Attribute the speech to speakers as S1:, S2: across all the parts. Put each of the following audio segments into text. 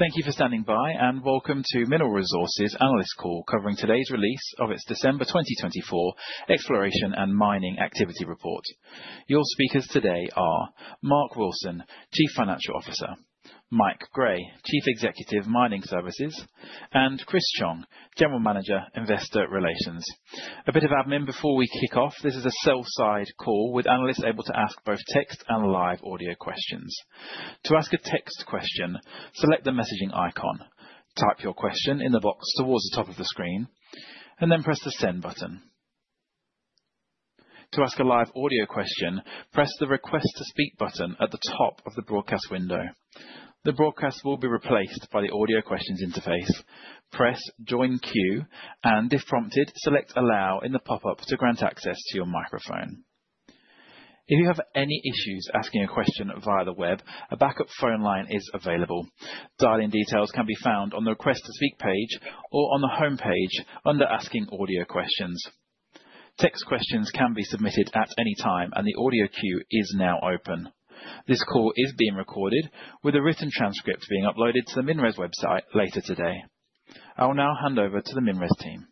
S1: Thank you for standing by, and welcome to Mineral Resources Analyst Call, covering today's release of its December 2024 Exploration and Mining Activity Report. Your speakers today are Mark Wilson, Chief Financial Officer, Mike Grey, Chief Executive, Mining Services, and Chris Chong, General Manager, Investor Relations. A bit of admin before we kick off: this is a sell-side call, with analysts able to ask both text and live audio questions. To ask a text question, select the messaging icon, type your question in the box towards the top of the screen, and then press the send button. To ask a live audio question, press the request to speak button at the top of the broadcast window. The broadcast will be replaced by the audio questions interface. Press join queue, and if prompted, select allow in the pop-up to grant access to your microphone. If you have any issues asking a question via the web, a backup phone line is available. Dialing details can be found on the request to speak page or on the home page under asking audio questions. Text questions can be submitted at any time, and the audio queue is now open. This call is being recorded, with a written transcript being uploaded to the MinRes website` later today. I will now hand over to the MinRes team.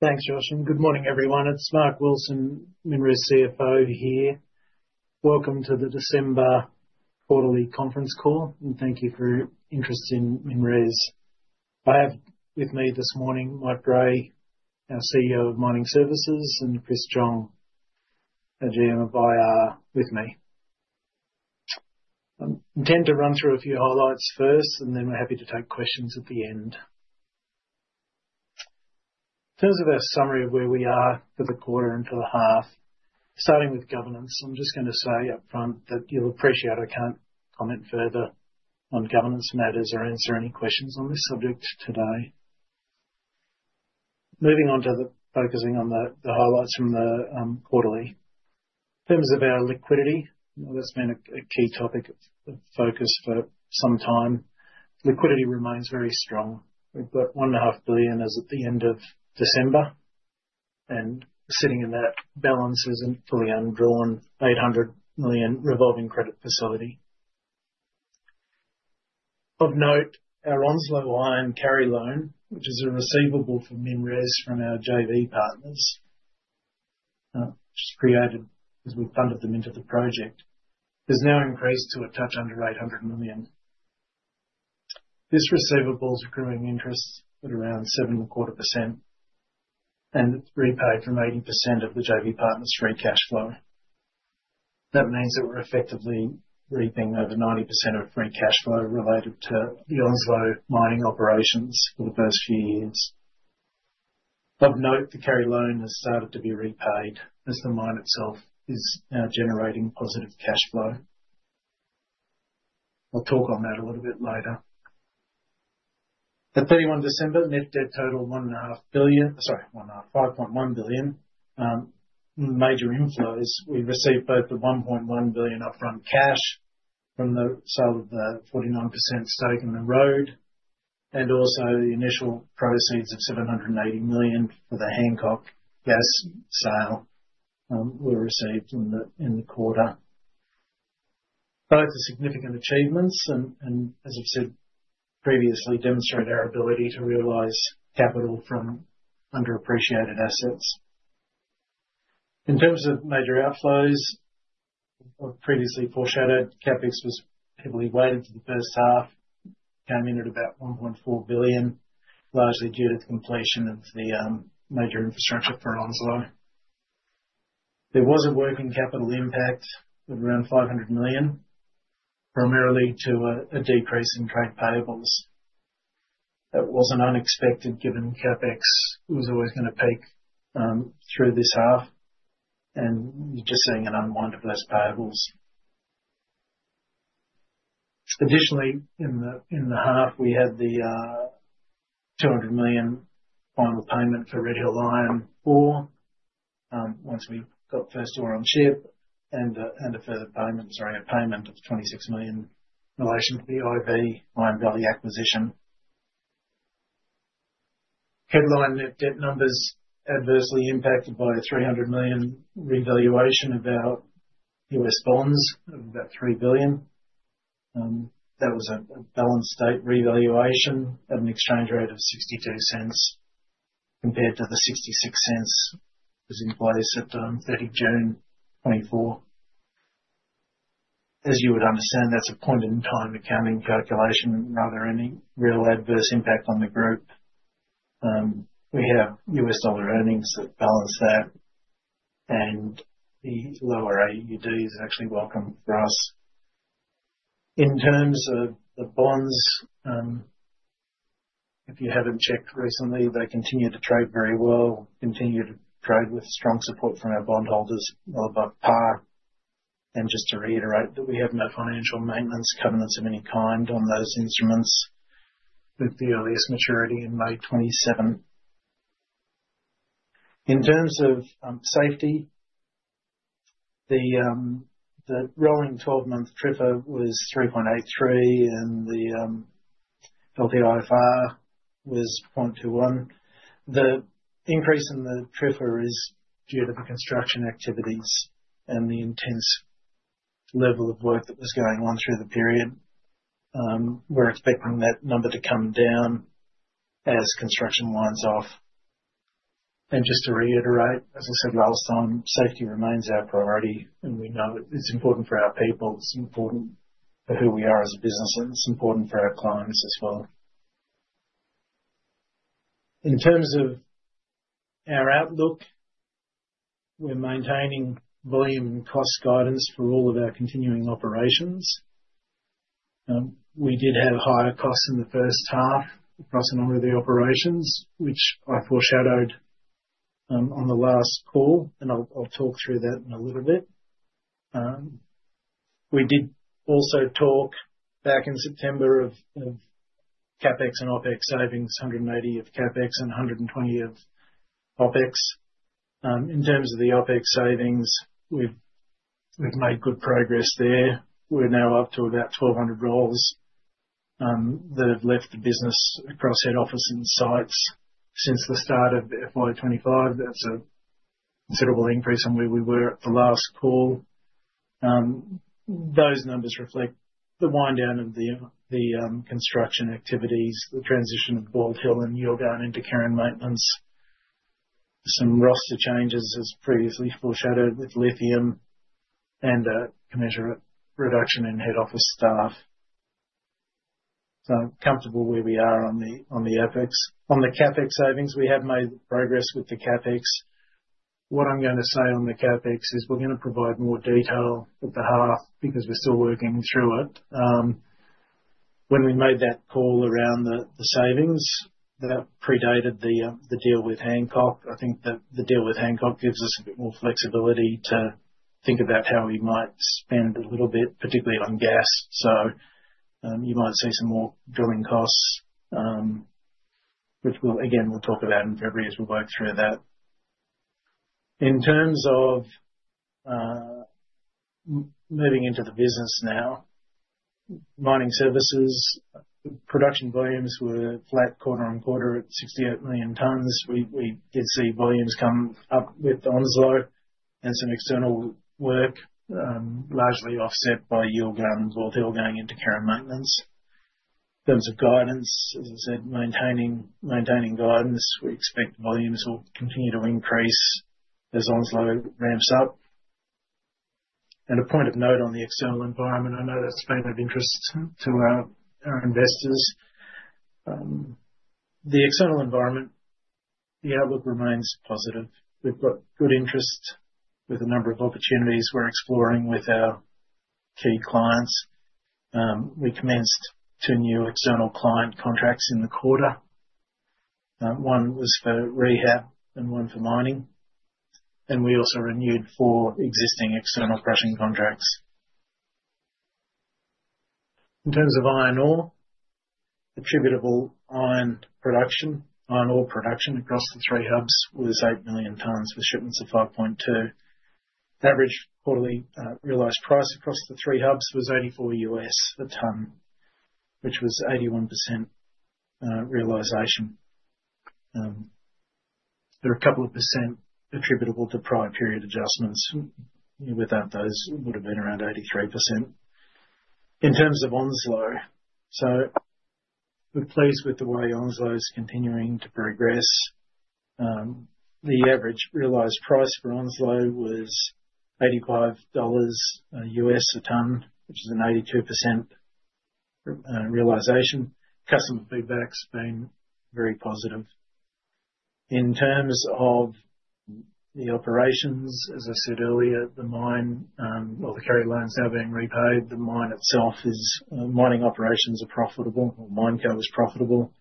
S2: Thanks, Joshua Thurlow, and good morning, everyone. It's Mark Wilson, MinRes CFO, here. Welcome to the December quarterly conference call, and thank you for interest in MinRes. I have with me this morning Mike Grey, our CEO of Mining Services, and Chris Chong, our GM of IR, with me. I intend to run through a few highlights first, and then we're happy to take questions at the end. In terms of our summary of where we are for the quarter and for the half, starting with governance, I'm just going to say upfront that you'll appreciate I can't comment further on governance matters or answer any questions on this subject today. Moving on to focusing on the highlights from the quarterly. In terms of our liquidity, that's been a key topic of focus for some time. Liquidity remains very strong. We've got 1.5 billion as of the end of December, and sitting in that balance isn't fully undrawn: 800 million revolving credit facility. Of note, our Onslow Iron Carry Loan, which is a receivable for MinRes from our JV partners, which was created as we funded them into the project, has now increased to a touch under 800 million. This receivable is accruing interest at around 7.25%, and it's repaid from 80% of the JV partners' free cash flow. That means that we're effectively reaping over 90% of free cash flow related to the Onslow mining operations for the first few years. Of note, the carry loan has started to be repaid as the mine itself is now generating positive cash flow. I'll talk on that a little bit later. At 31st December, net debt total 1.5 billion, sorry, 1.5, 5.1 billion. Major inflows: we received both the 1.1 billion upfront cash from the sale of the 49% stake in the road, and also the initial proceeds of 780 million for the Hancock gas sale were received in the quarter. Both are significant achievements and, as I've said previously, demonstrate our ability to realize capital from underappreciated assets. In terms of major outflows, I've previously foreshadowed: CapEx was heavily weighted for the first-half, came in at about 1.4 billion, largely due to the completion of the major infrastructure for Onslow. There was a working capital impact of around 500 million, primarily due to a decrease in trade payables. That wasn't unexpected given CapEx was always going to peak through this half, and you're just seeing an unwind of those payables. Additionally, in the half, we had the 200 million final payment for Red Hill Iron once we got the first ore on ship, and a further payment, sorry, a payment of 26 million in relation to the Iron Valley acquisition. Headline net debt numbers adversely impacted by a 300 million revaluation of our U.S. bonds of about 3 billion. That was a balance sheet revaluation at an exchange rate of 0.62 compared to the 0.66 that was in place at 30th June 2024. As you would understand, that's a point-in-time accounting calculation rather than any real adverse impact on the group. We have U.S. dollar earnings that balance that, and the lower AUD is actually welcome for us. In terms of the bonds, if you haven't checked recently, they continue to trade very well, continue to trade with strong support from our bondholders, well above par. Just to reiterate that we have no financial maintenance covenants of any kind on those instruments, with the earliest maturity in May 2027. In terms of safety, the rolling 12-month TRIFR was 3.83, and the LTIFR was 0.21. The increase in the TRIFR is due to the construction activities and the intense level of work that was going on through the period. We're expecting that number to come down as construction winds off. Just to reiterate, as I said last time, safety remains our priority, and we know it's important for our people. It's important for who we are as a business, and it's important for our clients as well. In terms of our outlook, we're maintaining volume and cost guidance for all of our continuing operations. We did have higher costs in the first-half across a number of the operations, which I foreshadowed on the last call, and I'll talk through that in a little bit. We did also talk back in September of CapEx and OpEx savings, 180 of CapEx and 120 of OpEx. In terms of the OpEx savings, we've made good progress there. We're now up to about 1,200 roles that have left the business across head office and sites since the start of FY 2025. That's a considerable increase from where we were at the last call. Those numbers reflect the wind down of the construction activities, the transition of Bald Hill and Yilgarn Hub into care and maintenance, some roster changes, as previously foreshadowed with lithium, and a measure of reduction in head office staff. So I'm comfortable where we are on the CapEx. On the CapEx savings, we have made progress with the CapEx. What I'm going to say on the CapEx is we're going to provide more detail for the half because we're still working through it. When we made that call around the savings, that predated the deal with Hancock. I think that the deal with Hancock gives us a bit more flexibility to think about how we might spend a little bit, particularly on gas. So you might see some more drilling costs, which we'll, again, we'll talk about in February as we work through that. In terms of moving into the business now, Mining Services, production volumes were flat quarter on quarter at 68 million tons. We did see volumes come up with Onslow and some external work, largely offset by Yilgarn hub and Bald Hill going into care and maintenance. In terms of guidance, as I said, maintaining guidance, we expect volumes will continue to increase as Onslow ramps up. And a point of note on the external environment, I know that's been of interest to our investors. The external environment, the outlook remains positive. We've got good interest with a number of opportunities we're exploring with our key clients. We commenced two new external client contracts in the quarter. One was for rehab and one for mining. And we also renewed four existing external crushing contracts. In terms of iron ore, attributable iron production, iron ore production across the three hubs was 8 million tons with shipments of 5.2. Average quarterly realized price across the three hubs was $84 a ton, which was 81% realization. There are a couple of percent attributable to prior period adjustments. Without those, it would have been around 83%. In terms of Onslow, so we're pleased with the way Onslow is continuing to progress. The average realized price for Onslow was $85 a ton, which is an 82% realization. Customer feedback's been very positive. In terms of the operations, as I said earlier, the mine or the carry loans now being repaid, the mine itself is mining operations are profitable, or MineCo is profitable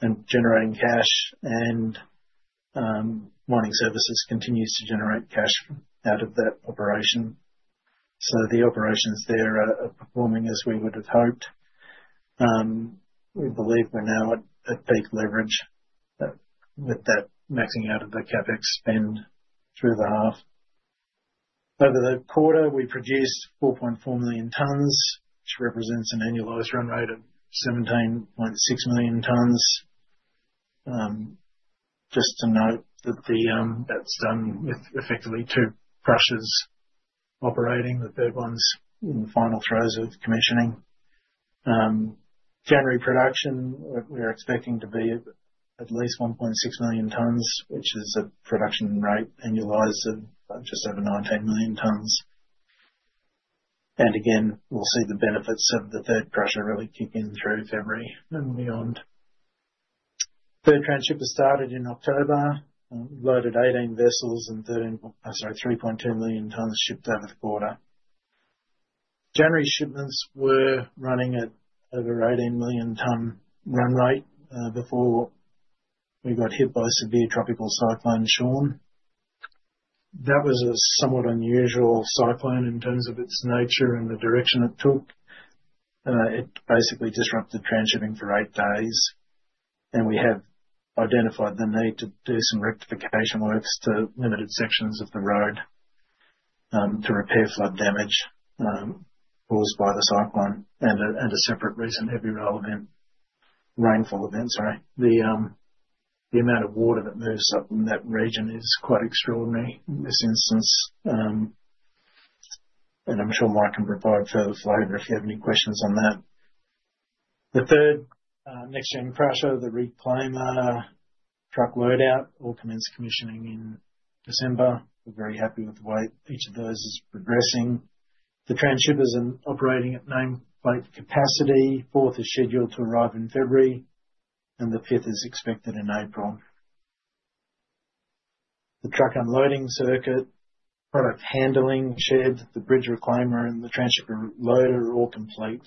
S2: and generating cash, and Mining Services continues to generate cash out of that operation. So the operations there are performing as we would have hoped. We believe we're now at peak leverage with that maxing out of the CapEx spend through the half. Over the quarter, we produced 4.4 million tons, which represents an annualized run rate of 17.6 million tons. Just to note that that's done with effectively two crushers operating. The third one's in the final throes of commissioning. January production, we're expecting to be at least 1.6 million tons, which is a production rate annualized of just over 19 million tons. Again, we'll see the benefits of the third crusher really kick in through February and beyond. Third transshipper started in October, loaded 18 vessels and 13, I'm sorry, 3.2 million tons shipped over the quarter. January shipments were running at over 18 million ton run rate before we got hit by severe tropical cyclone Sean. That was a somewhat unusual cyclone in terms of its nature and the direction it took. It basically disrupted transshipping for eight days, and we have identified the need to do some rectification works to limited sections of the road to repair flood damage caused by the cyclone and a separate recent heavy rail event, rainfall event, sorry. The amount of water that moves up in that region is quite extraordinary in this instance, and I'm sure Mike Grey can provide further flavor if you have any questions on that. The third NextGen crusher, the Reclaimer truck loadout, all commenced commissioning in December. We're very happy with the way each of those is progressing. The transshippers are operating at nameplate capacity. Fourth is scheduled to arrive in February, and the fifth is expected in April. The truck unloading circuit, product handling, shed, the bridge reclaimer, and the transshipper loader are all complete,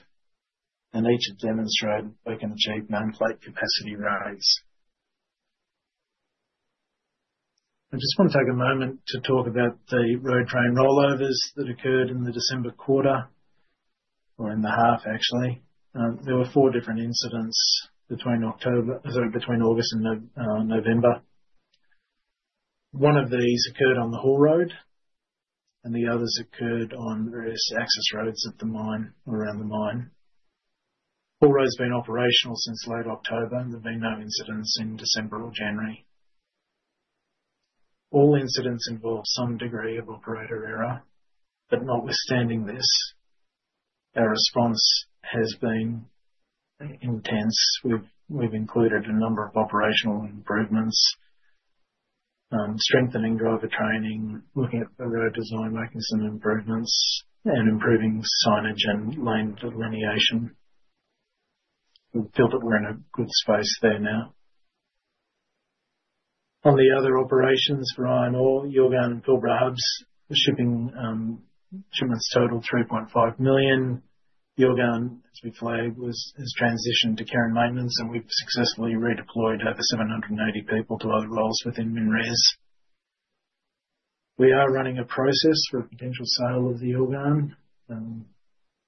S2: and each have demonstrated they can achieve nameplate capacity rise. I just want to take a moment to talk about the road train rollovers that occurred in the December quarter, or in the half, actually. There were four different incidents between August and November. One of these occurred on the haul road, and the others occurred on various access roads at the mine or around the mine. Haul road's been operational since late October, and there've been no incidents in December or January. All incidents involve some degree of operator error, but notwithstanding this, our response has been intense. We've included a number of operational improvements, strengthening driver training, looking at the road design, making some improvements, and improving signage and lane delineation. We feel that we're in a good space there now. On the other operations, for iron ore, Yilgarn hub and Pilbara hubs, the shipments total 3.5 million. Yilgarn hub, as we flagged, has transitioned to care and maintenance, and we've successfully redeployed over 780 people to other roles within MinRes. We are running a process for a potential sale of the Yilgarn hub.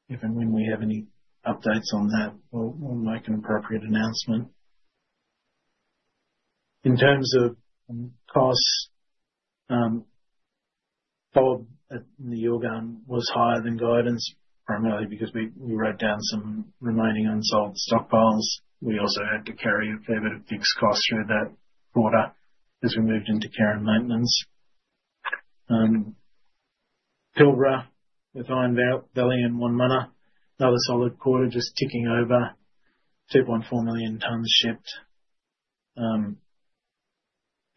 S2: If and when we have any updates on that, we'll make an appropriate announcement. In terms of costs, haul in the Yilgarn hub was higher than guidance, primarily because we wrote down some remaining unsold stockpiles. We also had to carry a fair bit of fixed costs through that quarter as we moved into care and maintenance. Pilbara, with Iron Valley and Wonmunna, another solid quarter just ticking over, 2.4 million tons shipped.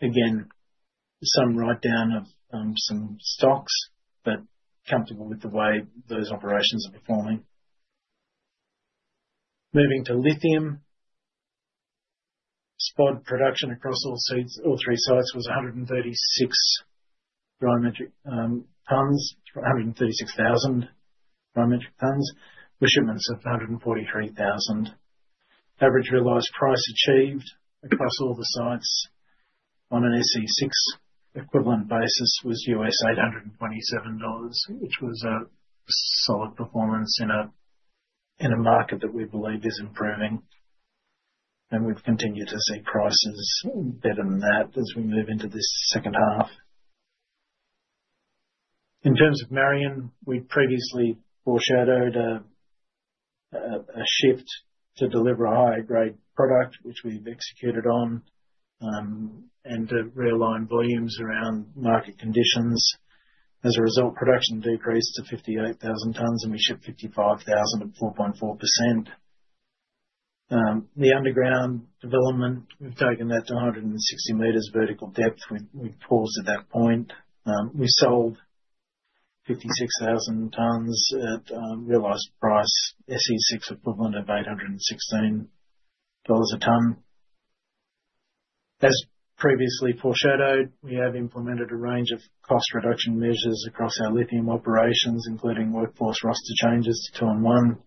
S2: Again, some write-down of some stocks, but comfortable with the way those operations are performing. Moving to lithium, spod production across all three sites was 136,000 dry metric tonnes, with shipments of 143,000. Average realized price achieved across all the sites on an SC6 equivalent basis was $827, which was a solid performance in a market that we believe is improving. And we've continued to see prices better than that as we move into this second-half. In terms of Marion, we previously foreshadowed a shift to deliver a higher-grade product, which we've executed on, and to realign volumes around market conditions. As a result, production decreased to 58,000 tons, and we shipped 55,000 at 4.4%. The underground development, we've taken that to 160 meters vertical depth. We've paused at that point. We sold 56,000 tons at realized price, SC6 equivalent of $816 a ton. As previously foreshadowed, we have implemented a range of cost reduction measures across our lithium operations, including workforce roster changes to two-on-one,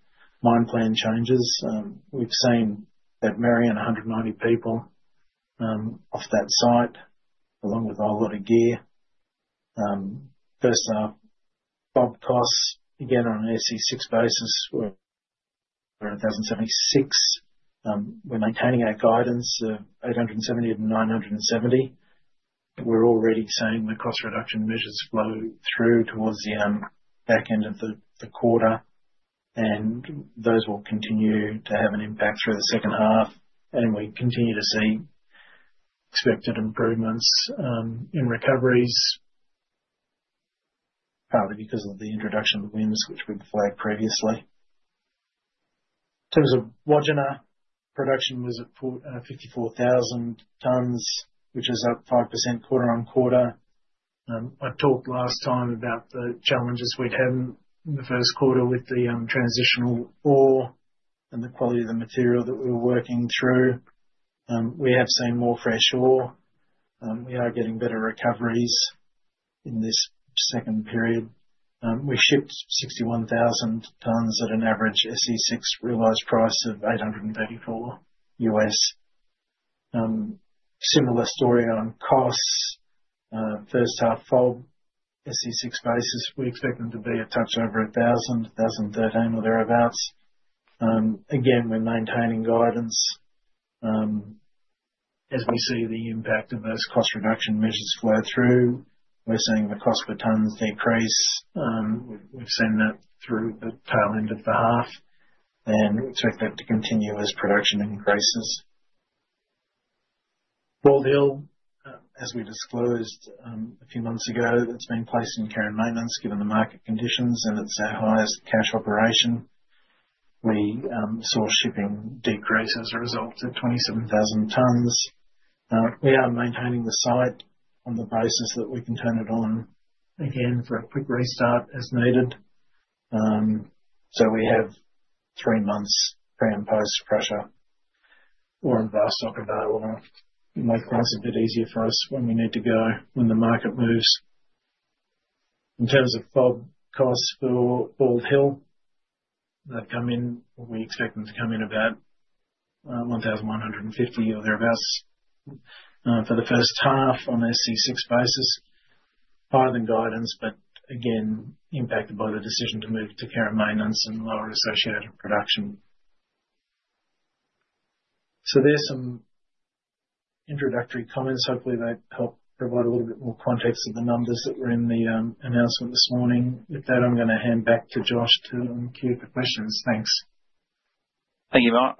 S2: mine plan changes. We've seen at Marion 190 people off that site, along with a whole lot of gear. First off, Bald Hill, again on an SC6 basis, we're at $1,076. We're maintaining our guidance of $870-$970. We're already seeing the cost reduction measures flow through towards the back end of the quarter, and those will continue to have an impact through the second-half, and we continue to see expected improvements in recoveries, partly because of the introduction of the winds, which we've flagged previously. In terms of Wodgina, production was at 54,000 tons, which is up 5% quarter-on-quarter. I talked last time about the challenges we'd had in the Q1 with the transitional ore and the quality of the material that we were working through. We have seen more fresh ore. We are getting better recoveries in this second period. We shipped 61,000 tons at an average SC6 realized price of $834. Similar story on costs. first-half, full SC6 basis, we expect them to be a touch over $1,000, $1,013, or thereabouts. Again, we're maintaining guidance. As we see the impact of those cost reduction measures flow through, we're seeing the cost per tons decrease. We've seen that through the tail-end of the half, and we expect that to continue as production increases. Bald Hill, as we disclosed a few months ago, it's been placed in care and maintenance given the market conditions, and it's our highest cash cost operation. We saw shipping decrease as a result of 27,000 tons. We are maintaining the site on the basis that we can turn it on again for a quick restart as needed. So we have three months pre- and post-crusher ore and bar stock available. It makes things a bit easier for us when we need to go when the market moves. In terms of Bald Hill, Bald Hill, they've come in. We expect them to come in about 1,150 or thereabouts for the first-half on SC6 basis. Higher than guidance, but again, impacted by the decision to move to carry maintenance and lower associated production. So, there's some introductory comments. Hopefully, they help provide a little bit more context of the numbers that were in the announcement this morning. With that, I'm going to hand back to Joshua Thurlow to cue for questions. Thanks.
S1: Thank you, Mark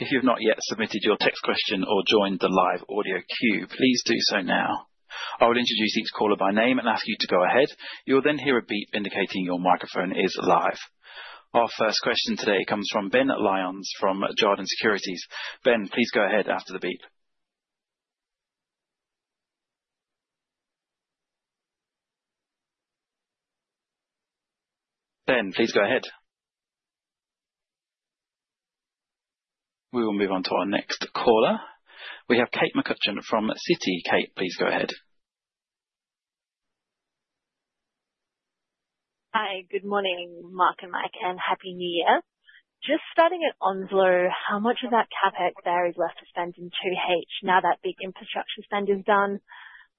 S1: Wilson. If you've not yet submitted your text question or joined the live audio queue, please do so now. I will introduce each caller by name and ask you to go ahead. You'll then hear a beep indicating your microphone is live. Our first question today comes from Ben Lyons from Jarden Securities. Ben, please go ahead after the beep. Ben, please go ahead. We will move on to our next caller. We have Kate McCutcheon from Citi. Kate McCutcheon, please go ahead.
S3: Hi, good morning, Mark Wilson and Mike Grey, and happy New Year. Just starting at Onslow, how much of that CapEx there is left to spend in 2H now that big infrastructure spend is done?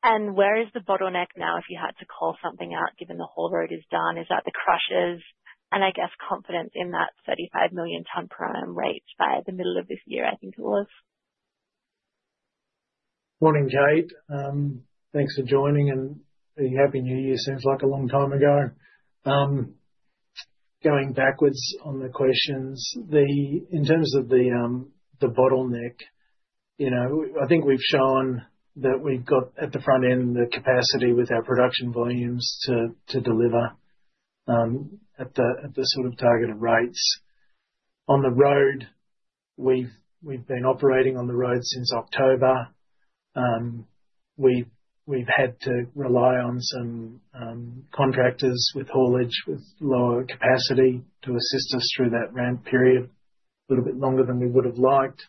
S3: And where is the bottleneck now if you had to call something out given the haul road is done? Is that the crushers? And I guess confidence in that 35 million ton prime rate by the middle of this year, I think it was.
S2: Morning, Kate McCutcheon. Thanks for joining, and happy New Year. Sounds like a long time ago. Going backwards on the questions, in terms of the bottleneck, I think we've shown that we've got at the front end the capacity with our production volumes to deliver at the sort of targeted rates. On the road, we've been operating on the road since October. We've had to rely on some contractors with haulage with lower capacity to assist us through that ramp period, a little bit longer than we would have liked.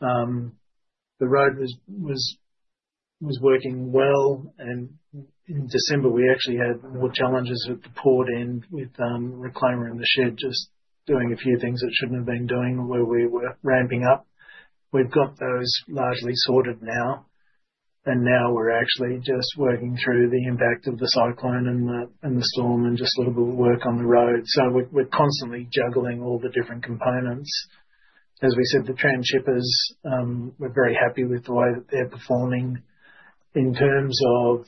S2: The road was working well, and in December, we actually had more challenges at the port end with Reclaimer and the shed just doing a few things it shouldn't have been doing where we were ramping up. We've got those largely sorted now, and now we're actually just working through the impact of the cyclone and the storm and just a little bit of work on the road. So we're constantly juggling all the different components. As we said, the transshippers, we're very happy with the way that they're performing. In terms of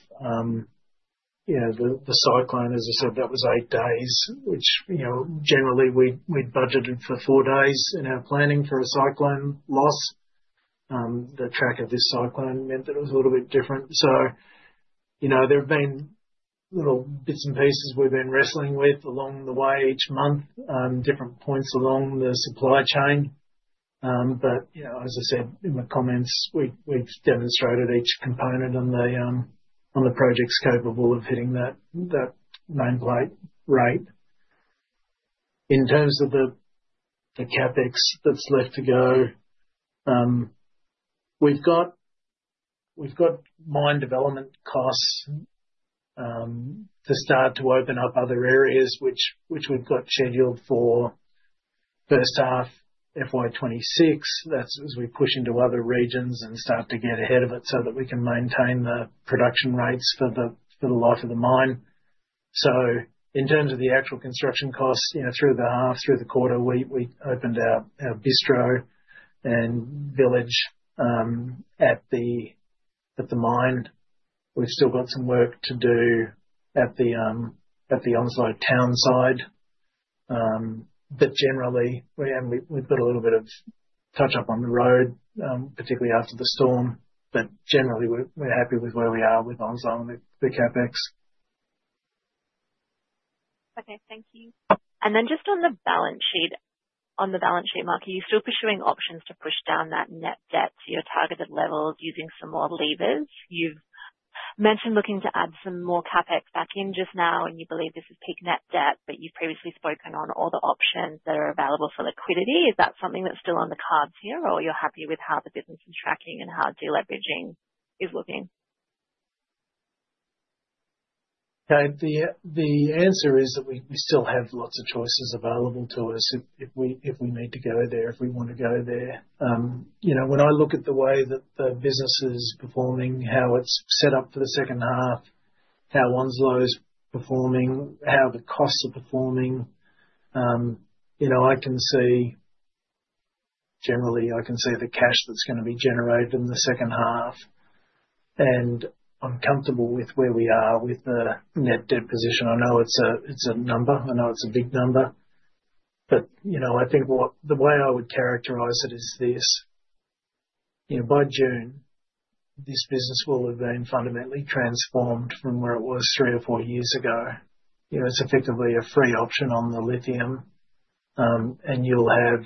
S2: the cyclone, as I said, that was eight days, which generally we'd budgeted for four days in our planning for a cyclone loss. The track of this cyclone meant that it was a little bit different. So there have been little bits and pieces we've been wrestling with along the way each month, different points along the supply chain. But as I said in the comments, we've demonstrated each component on the project's capable of hitting that nameplate rate. In terms of the CapEx that's left to go, we've got mine development costs to start to open up other areas, which we've got scheduled for first-half FY 2026. That's as we push into other regions and start to get ahead of it so that we can maintain the production rates for the life of the mine. So in terms of the actual construction costs through the half, through the quarter, we opened our bistro and village at the mine. We've still got some work to do at the Onslow town side. But generally, we've got a little bit of touch-up on the road, particularly after the storm. But generally, we're happy with where we are with Onslow and the CapEx.
S3: Okay, thank you. And then just on the balance sheet, Mark Wilson, are you still pursuing options to push down that net debt to your targeted levels using some more levers? You've mentioned looking to add some more CapEx back in just now, and you believe this is peak net debt, but you've previously spoken on all the options that are available for liquidity. Is that something that's still on the cards here, or are you happy with how the business is tracking and how deleveraging is looking?
S2: The answer is that we still have lots of choices available to us if we need to go there, if we want to go there. When I look at the way that the business is performing, how it's set up for the second half, how Onslow's performing, how the costs are performing, I can see generally, I can see the cash that's going to be generated in the second-half. And I'm comfortable with where we are with the net debt position. I know it's a number. I know it's a big number. But I think the way I would characterize it is this: by June, this business will have been fundamentally transformed from where it was three or four years ago. It's effectively a free option on the lithium, and you'll have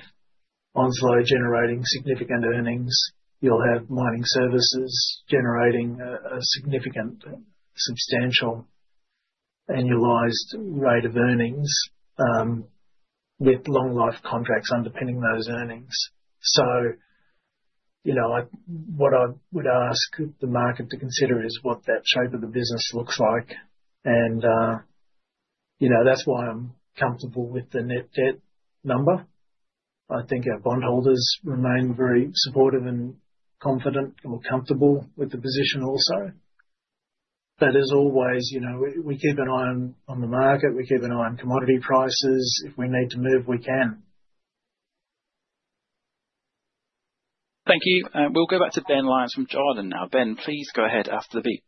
S2: Onslow generating significant earnings. You'll have mining services generating a significant, substantial annualized rate of earnings with long-life contracts underpinning those earnings. So what I would ask the market to consider is what that shape of the business looks like. That's why I'm comfortable with the net debt number. I think our bondholders remain very supportive and confident or comfortable with the position also. But as always, we keep an eye on the market. We keep an eye on commodity prices. If we need to move, we can.
S1: Thank you. We'll go back to Ben Lyons from Jarden now. Ben Lyons, please go ahead after the beep.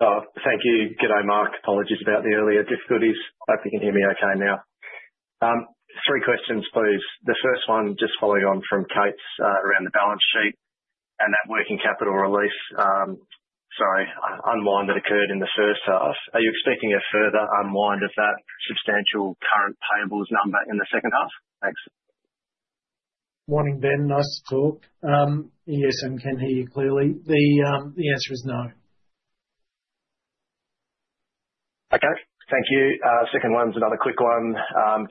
S4: Thank you. G'day, Mark Wilson. Apologies about the earlier difficulties. Hope you can hear me okay now. Three questions, please. The first one, just following on from Kate McCutcheon around the balance sheet and that working capital release, sorry, unwind that occurred in the first-half. Are you expecting a further unwind of that substantial current payables number in the second half?
S2: Thanks. Morning, Ben Lyons. Nice to talk. Yes, I can hear you clearly. The answer is no.
S4: Okay. Thank you. Second one's another quick one,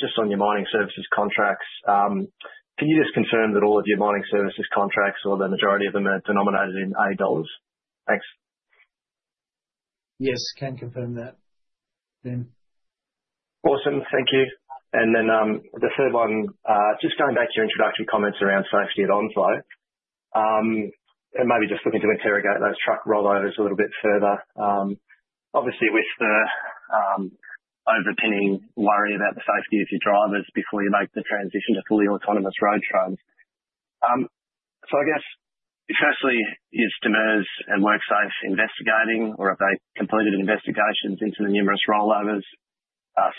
S4: just on your mining services contracts. Can you just confirm that all of your mining services contracts, or the majority of them, are denominated in AUD? Thanks,
S2: Yes, can confirm that, Ben Lyons.
S4: Awesome. Thank you. And then the third one, just going back to your introductory comments around safety at Onslow, and maybe just looking to interrogate those truck rollovers a little bit further. Obviously, with the overriding worry about the safety of your drivers before you make the transition to fully autonomous road trains. So I guess, firstly, is DEMIRS and WorkSafe investigating, or have they completed investigations into the numerous rollovers?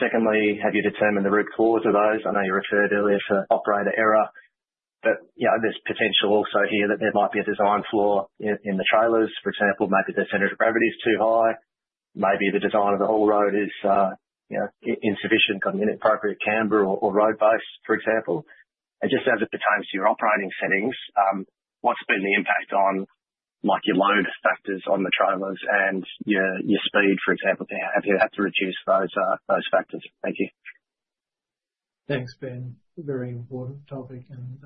S4: Secondly, have you determined the root cause of those? I know you referred earlier to operator error, but there's potential also here that there might be a design flaw in the trailers. For example, maybe the center of gravity is too high. Maybe the design of the haul road is insufficient, got an inappropriate camber or road base, for example. And just as it pertains to your operating settings, what's been the impact on your load factors on the trailers and your speed, for example? Have you had to reduce those factors? Thank you.
S2: Thanks, Ben Lyons. Very important topic. And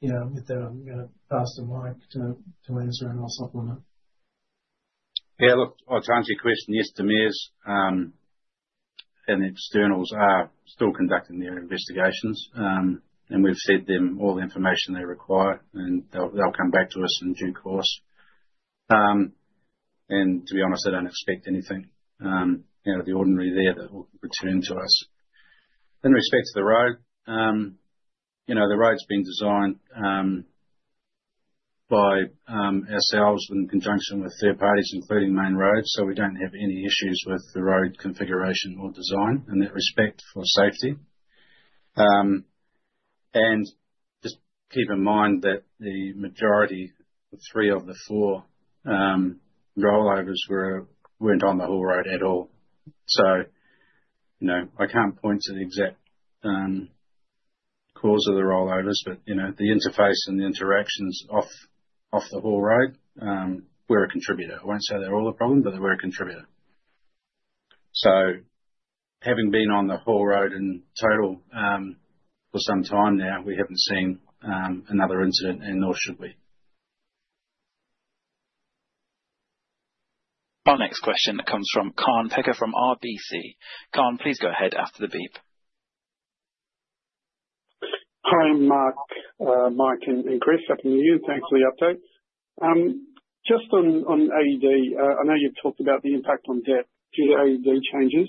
S2: with that, I'm going to pass to Mike Grey to answer, and I'll supplement.
S5: Yeah, look, I'll try and answer your question. Yes, DEMIRS, and externals are still conducting their investigations. And we've said to them all the information they require, and they'll come back to us in due course. And to be honest, I don't expect anything out of the ordinary there that will return to us. In respect to the road, the road's been designed by ourselves in conjunction with third parties, including Main Roads, so we don't have any issues with the road configuration or design in that respect for safety, and just keep in mind that the majority, three of the four rollovers, weren't on the haul road at all, so I can't point to the exact cause of the rollovers, but the interface and the interactions off the haul road, we're a contributor. I won't say they're all a problem, but they were a contributor, so having been on the haul road in total for some time now, we haven't seen another incident, and nor should we.
S1: Our next question comes from Kaan Peker from RBC. Kaan, please go ahead after the beep.
S6: Hi, Mark Wilson. Mike Grey and Chris Chong, happy New Year. Thanks for the update. Just on AUD, I know you've talked about the impact on debt through the AUD changes.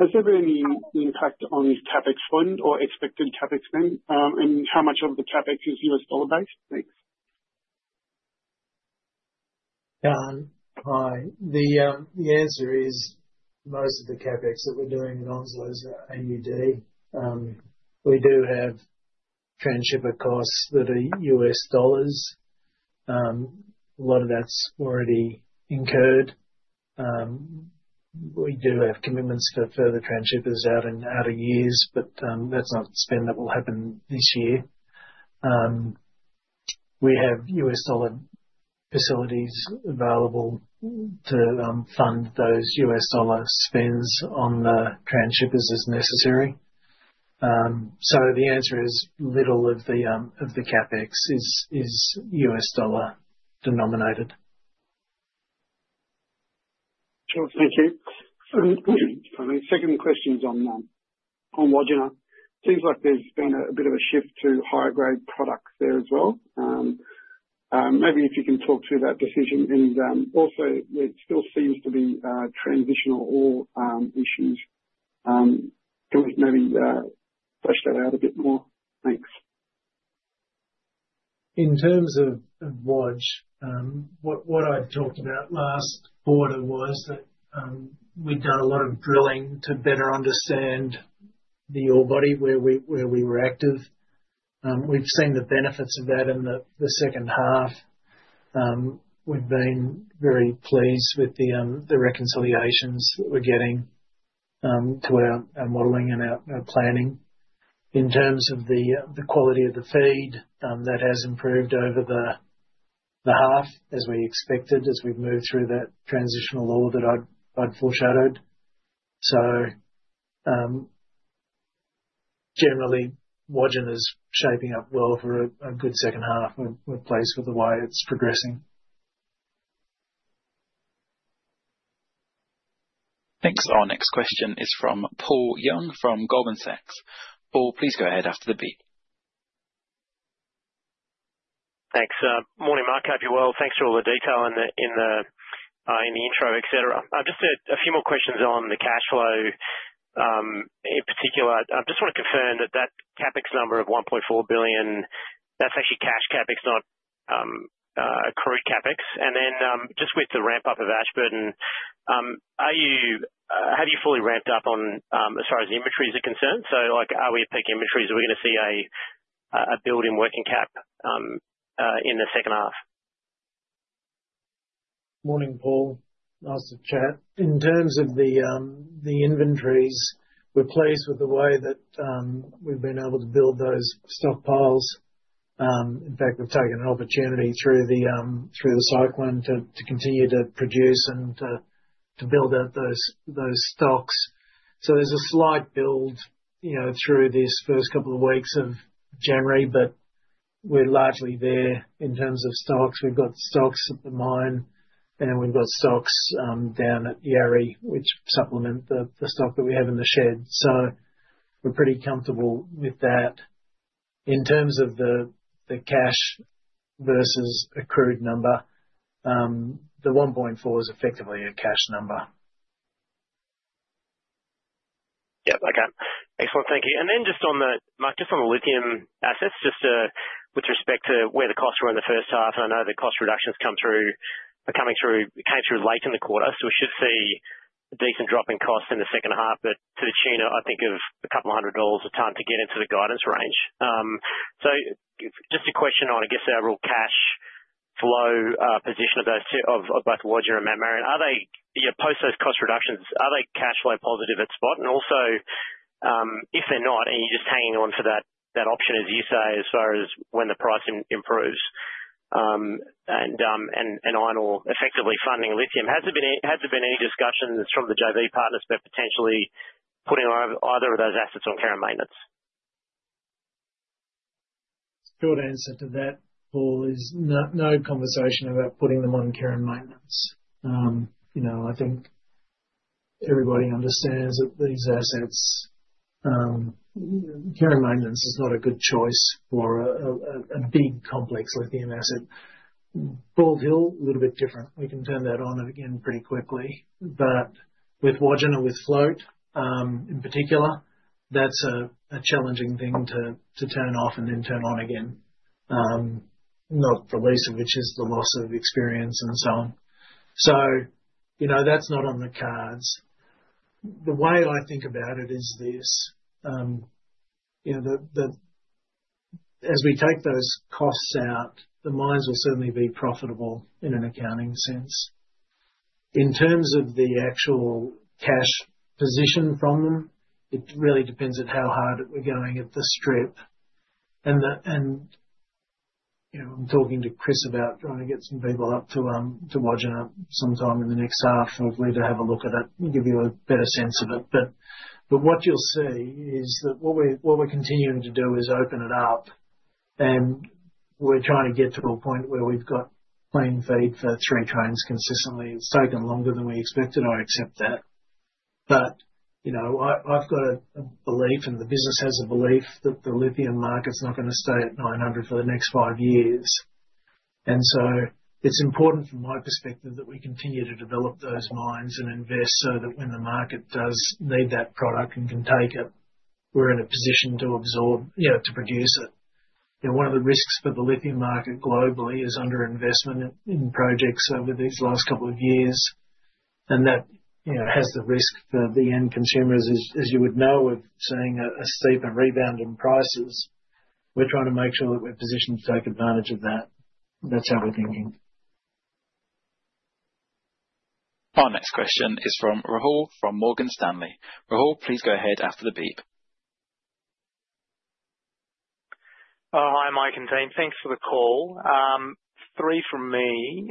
S6: Has there been any impact on CapEx fund or expected CapEx spend, and how much of the CapEx is US dollar-based? Thanks.
S2: Hi. The answer is most of the CapEx that we're doing in Onslow is AUD. We do have transshipper costs that are U.S. dollars. A lot of that's already incurred. We do have commitments for further transshippers out in years, but that's not spend that will happen this year. We have U.S. dollar facilities available to fund those U.S. dollar spends on the transshippers as necessary. So the answer is little of the CapEx is US dollar-denominated.
S6: Sure. Thank you. My second question's on Wodgina. Seems like there's been a bit of a shift to higher-grade products there as well. Maybe if you can talk through that decision. And also, there still seems to be transitional ore issues. Can we maybe flesh that out a bit more? Thanks.
S2: In terms of Wodgina, what I'd talked about last quarter was that we'd done a lot of drilling to better understand the ore body where we were active. We've seen the benefits of that in the second half. We've been very pleased with the reconciliations that we're getting to our modelling and our planning. In terms of the quality of the feed, that has improved over the half, as we expected, as we've moved through that transitional ore that I'd foreshadowed. So generally, Wodgina is shaping up well for a good second half, a good place for the way it's progressing.
S1: Thanks. Our next question is from Paul Young from Goldman Sachs. Paul Young, please go ahead after the beep.
S7: Thanks. Morning, Mark Wilson. Hope you're well. Thanks for all the detail in the intro, etc. Just a few more questions on the cash flow in particular. I just want to confirm that that CapEx number of 1.4 billion, that's actually cash CapEx, not accrued CapEx. And then just with the ramp-up of Ashburton, have you fully ramped up as far as inventories are concerned? So are we at peak inventories? Are we going to see a built-in working cap in the second half?
S2: Morning, Paul Young. Nice to chat. In terms of the inventories, we're pleased with the way that we've been able to build those stockpiles. In fact, we've taken an opportunity through the cyclone to continue to produce and to build up those stocks. So there's a slight build through this first couple of weeks of January, but we're largely there in terms of stocks. We've got stocks at the mine, and we've got stocks down at Yardi, which supplement the stock that we have in the shed. So we're pretty comfortable with that. In terms of the cash versus accrued number, the 1.4 is effectively a cash number.
S7: Yep. Okay. Excellent. Thank you. And then just on the, Mark Wilson, just on the lithium assets, just with respect to where the costs were in the first-half. And I know the cost reductions come through, came through late in the quarter, so we should see a decent drop in costs in the second half. But to the tune, I think of a couple of hundred dollars a time to get into the guidance range. So just a question on, I guess, the overall cash flow position of both Wodgina and Mt Marion. Post those cost reductions, are they cash flow positive at spot? And also, if they're not, are you just hanging on for that option, as you say, as far as when the price improves? And iron ore effectively funding lithium. Has there been any discussions from the JV partners about potentially putting either of those assets on care and maintenance?
S2: Short answer to that, Paul Young, is no conversation about putting them on care and maintenance. I think everybody understands that these assets, care and maintenance is not a good choice for a big, complex lithium asset. Bald Hill, a little bit different. We can turn that on again pretty quickly. But with Wodgina and with Mt Marion, in particular, that's a challenging thing to turn off and then turn on again, not the least of which is the loss of experience and so on. So that's not on the cards. The way I think about it is this: as we take those costs out, the mines will certainly be profitable in an accounting sense. In terms of the actual cash position from them, it really depends on how hard we're going at the strip. And I'm talking to Chris Chong about trying to get some people up to Wodgina sometime in the next half, hopefully, to have a look at it and give you a better sense of it. But what you'll see is that what we're continuing to do is open it up, and we're trying to get to a point where we've got clean feed for three trains consistently. It's taken longer than we expected. I accept that. But I've got a belief, and the business has a belief, that the lithium markets not going to stay at 900 for the next five years. And so it's important from my perspective that we continue to develop those mines and invest so that when the market does need that product and can take it, we're in a position to absorb, to produce it. One of the risks for the lithium market globally is underinvestment in projects over these last couple of years. And that has the risk for the end consumers, as you would know of seeing a steeper rebound in prices. We're trying to make sure that we're positioned to take advantage of that. That's how we're thinking.
S1: Our next question is from Rahul Anand from Morgan Stanley. Rahul Anand, please go ahead after the beep.
S8: Hi, Mike Grey and team. Thanks for the call. Three from me.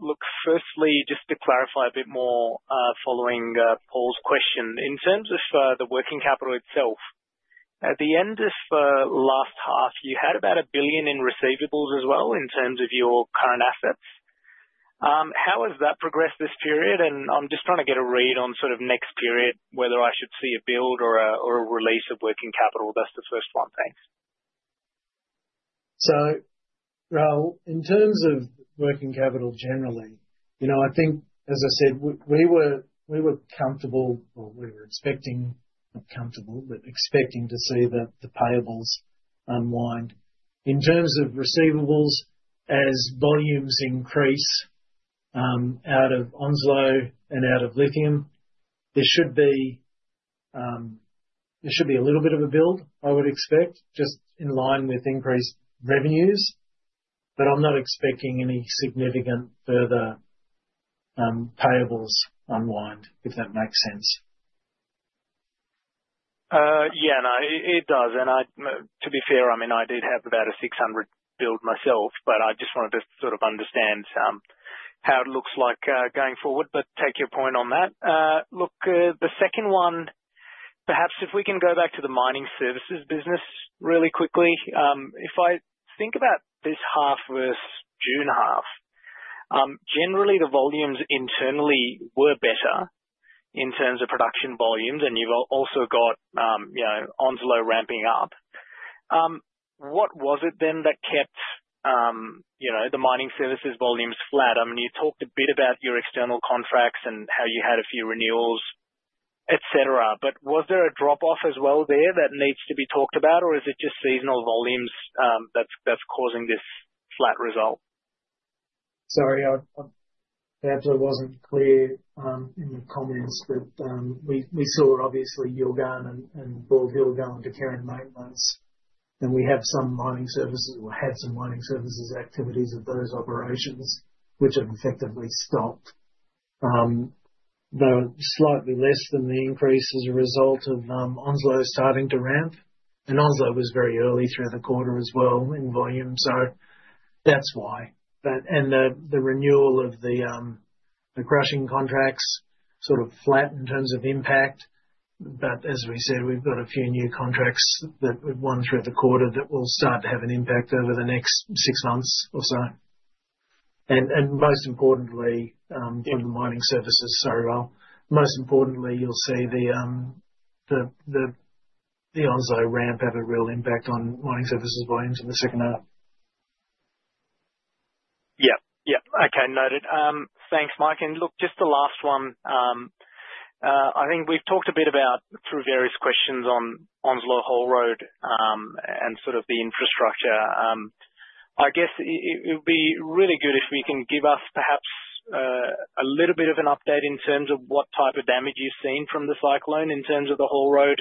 S8: Look, firstly, just to clarify a bit more following Paul Young question. In terms of the working capital itself, at the end of the last half, you had about 1 billion in receivables as well in terms of your current assets. How has that progressed this period? And I'm just trying to get a read on sort of next period, whether I should see a build or a release of working capital. That's the first one. Thanks
S2: So, Rahul Anand, in terms of working capital generally, I think, as I said, we were comfortable, or we were expecting, not comfortable, but expecting to see the payables unwind. In terms of receivables, as volumes increase out of Onslow and out of lithium, there should be a little bit of a build, I would expect, just in line with increased revenues. But I'm not expecting any significant further payables unwind, if that makes sense.
S8: Yeah, no, it does. And to be fair, I mean, I did have about a 600 build myself, but I just wanted to sort of understand how it looks like going forward. But take your point on that. Look, the second one, perhaps if we can go back to the mining services business really quickly. If I think about this half versus June-half, generally, the volumes internally were better in terms of production volumes, and you've also got Onslow ramping-up. What was it then that kept the mining services volumes flat? I mean, you talked a bit about your external contracts and how you had a few renewals, etc. But was there a drop-off as well there that needs to be talked about, or is it just seasonal volumes that's causing this flat result?
S2: Sorry, I'm a bit unclear in the comments, but we saw obviously Yilgarn and Bald Hill going to care and maintenance. And we have some mining services or had some mining services activities at those operations, which have effectively stopped. They were slightly less than the increase as a result of Onslow starting to ramp. And Onslow was very early through the quarter as well in volume, so that's why. And the renewal of the crushing contracts sort of flat in terms of impact. But as we said, we've got a few new contracts that we've won through the quarter that will start to have an impact over the next six months or so. And most importantly, from the mining services, sorry, Rahul Anand, most importantly, you'll see the Onslow ramp have a real impact on mining services volumes in the second half.
S8: Yep. Yep. Okay, noted. Thanks, Mike Grey. And look, just the last one. I think we've talked a bit about through various questions on Onslow Haul Road and sort of the infrastructure. I guess it would be really good if we can give us perhaps a little bit of an update in terms of what type of damage you've seen from the cyclone in terms of the haul road.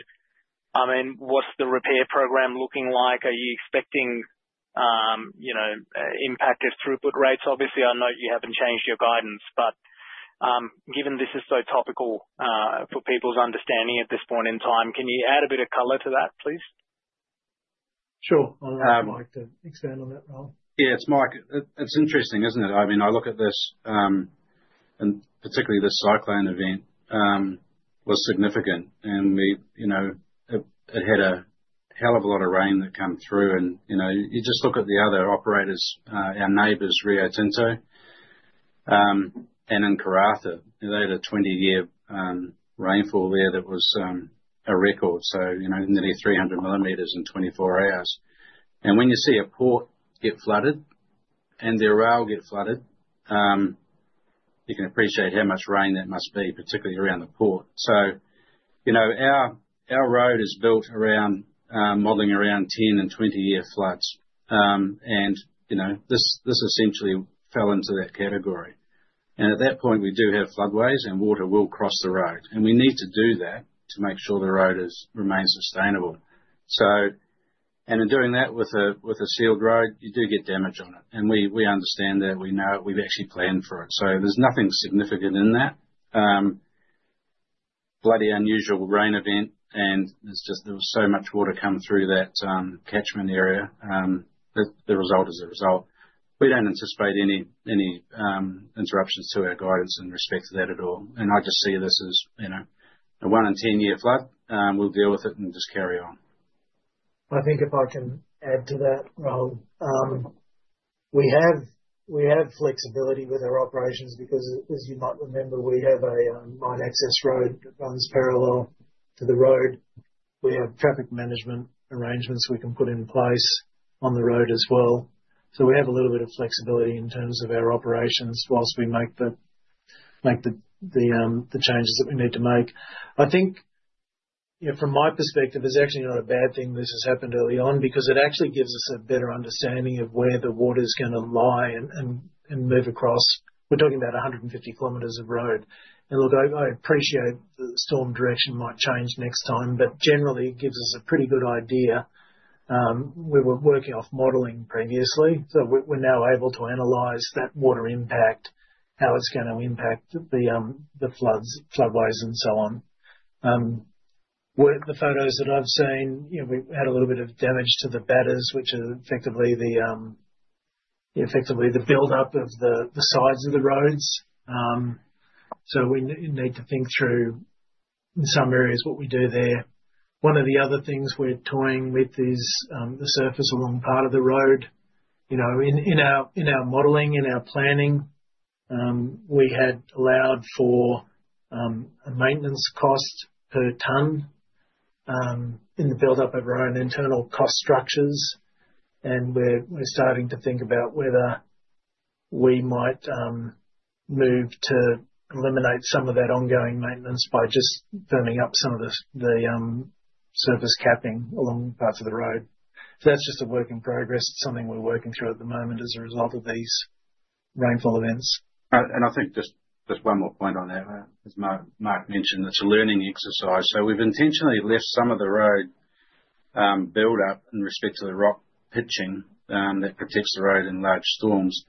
S8: I mean, what's the repair program looking like? Are you expecting impacted throughput rates? Obviously, I know you haven't changed your guidance, but given this is so topical for people's understanding at this point in time, can you add a bit of color to that, please?
S2: Sure. I'd like Mike Grey to expand on that, Rahul Anand.
S5: Yeah, it's Mike Grey. It's interesting, isn't it? I mean, I look at this, and particularly this cyclone event was significant. And it had a hell of a lot of rain that came through. And you just look at the other operators, our neighbors, Rio Tinto and in Karratha. They had a 20-year rainfall there that was a record. So nearly 300 millimeters in 24 hours. And when you see a port get flooded and their rail get flooded, you can appreciate how much rain that must be, particularly around the port. So our road is built around modeling around 10- and 20-year floods. And this essentially fell into that category. And at that point, we do have floodways and water will cross the road. And we need to do that to make sure the road remains sustainable. And in doing that with a sealed road, you do get damage on it. And we understand that. We know it. We've actually planned for it. So there's nothing significant in that. Bloody unusual rain event. There was so much water come through that catchment area. The result is the result. We don't anticipate any interruptions to our guidance in respect to that at all. I just see this as a one in 10-year flood. We'll deal with it and just carry on.
S2: I think if I can add to that, Rahul Anand, we have flexibility with our operations because, as you might remember, we have a mine access road that runs parallel to the road. We have traffic management arrangements we can put in place on the road as well. So we have a little bit of flexibility in terms of our operations whilst we make the changes that we need to make. I think from my perspective, it's actually not a bad thing this has happened early on because it actually gives us a better understanding of where the water is going to lie and move across. We're talking about 150 km of road, and look, I appreciate the storm direction might change next time, but generally, it gives us a pretty good idea. We were working off modeling previously, so we're now able to analyze that water impact, how it's going to impact the floodways and so on. The photos that I've seen, we had a little bit of damage to the batters, which are effectively the buildup of the sides of the roads, so we need to think through in some areas what we do there. One of the other things we're toying with is the surface along part of the road. In our modeling, in our planning, we had allowed for a maintenance cost per ton in the buildup of our own internal cost structures. And we're starting to think about whether we might move to eliminate some of that ongoing maintenance by just firming up some of the surface capping along parts of the road. So that's just a work in progress. It's something we're working through at the moment as a result of these rainfall events.
S5: And I think just one more point on that, as Mark Wilson mentioned, it's a learning exercise. So we've intentionally left some of the road buildup in respect to the rock pitching that protects the road in large storms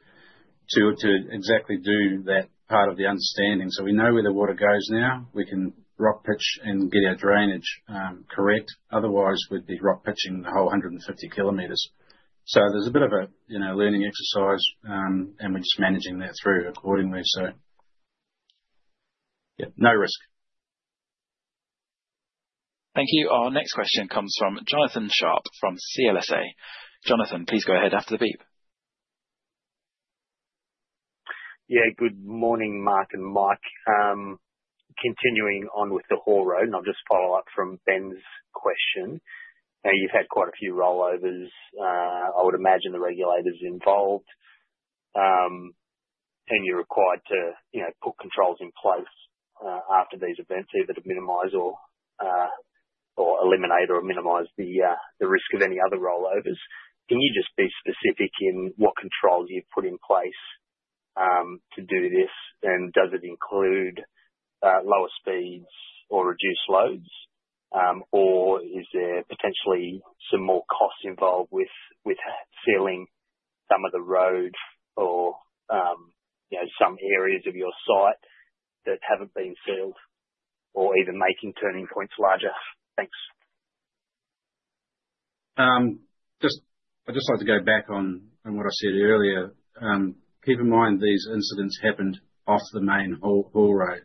S5: to exactly do that part of the understanding. So we know where the water goes now. We can rock pitch and get our drainage correct. Otherwise, we'd be rock pitching the whole 150 km. So there's a bit of a learning exercise, and we're just managing that through accordingly. So yeah, no risk.
S1: Thank you. Our next question comes from Jonathan Sharp from CLSA. Jonathan Sharp, please go ahead after the beep.
S9: Yeah, good morning, Mark Wilson and Mike Grey. Continuing on with the haul road, and I'll just follow up from Ben's question. You've had quite a few rollovers, I would imagine, the regulators involved. And you're required to put controls in place after these events, either to minimize or eliminate or minimize the risk of any other rollovers. Can you just be specific in what controls you've put in place to do this? And does it include lower speeds or reduced loads, or is there potentially some more costs involved with sealing some of the road or some areas of your site that haven't been sealed or even making turning points larger? Thanks.
S5: I just like to go back on what I said earlier. Keep in mind, these incidents happened off the main haul road.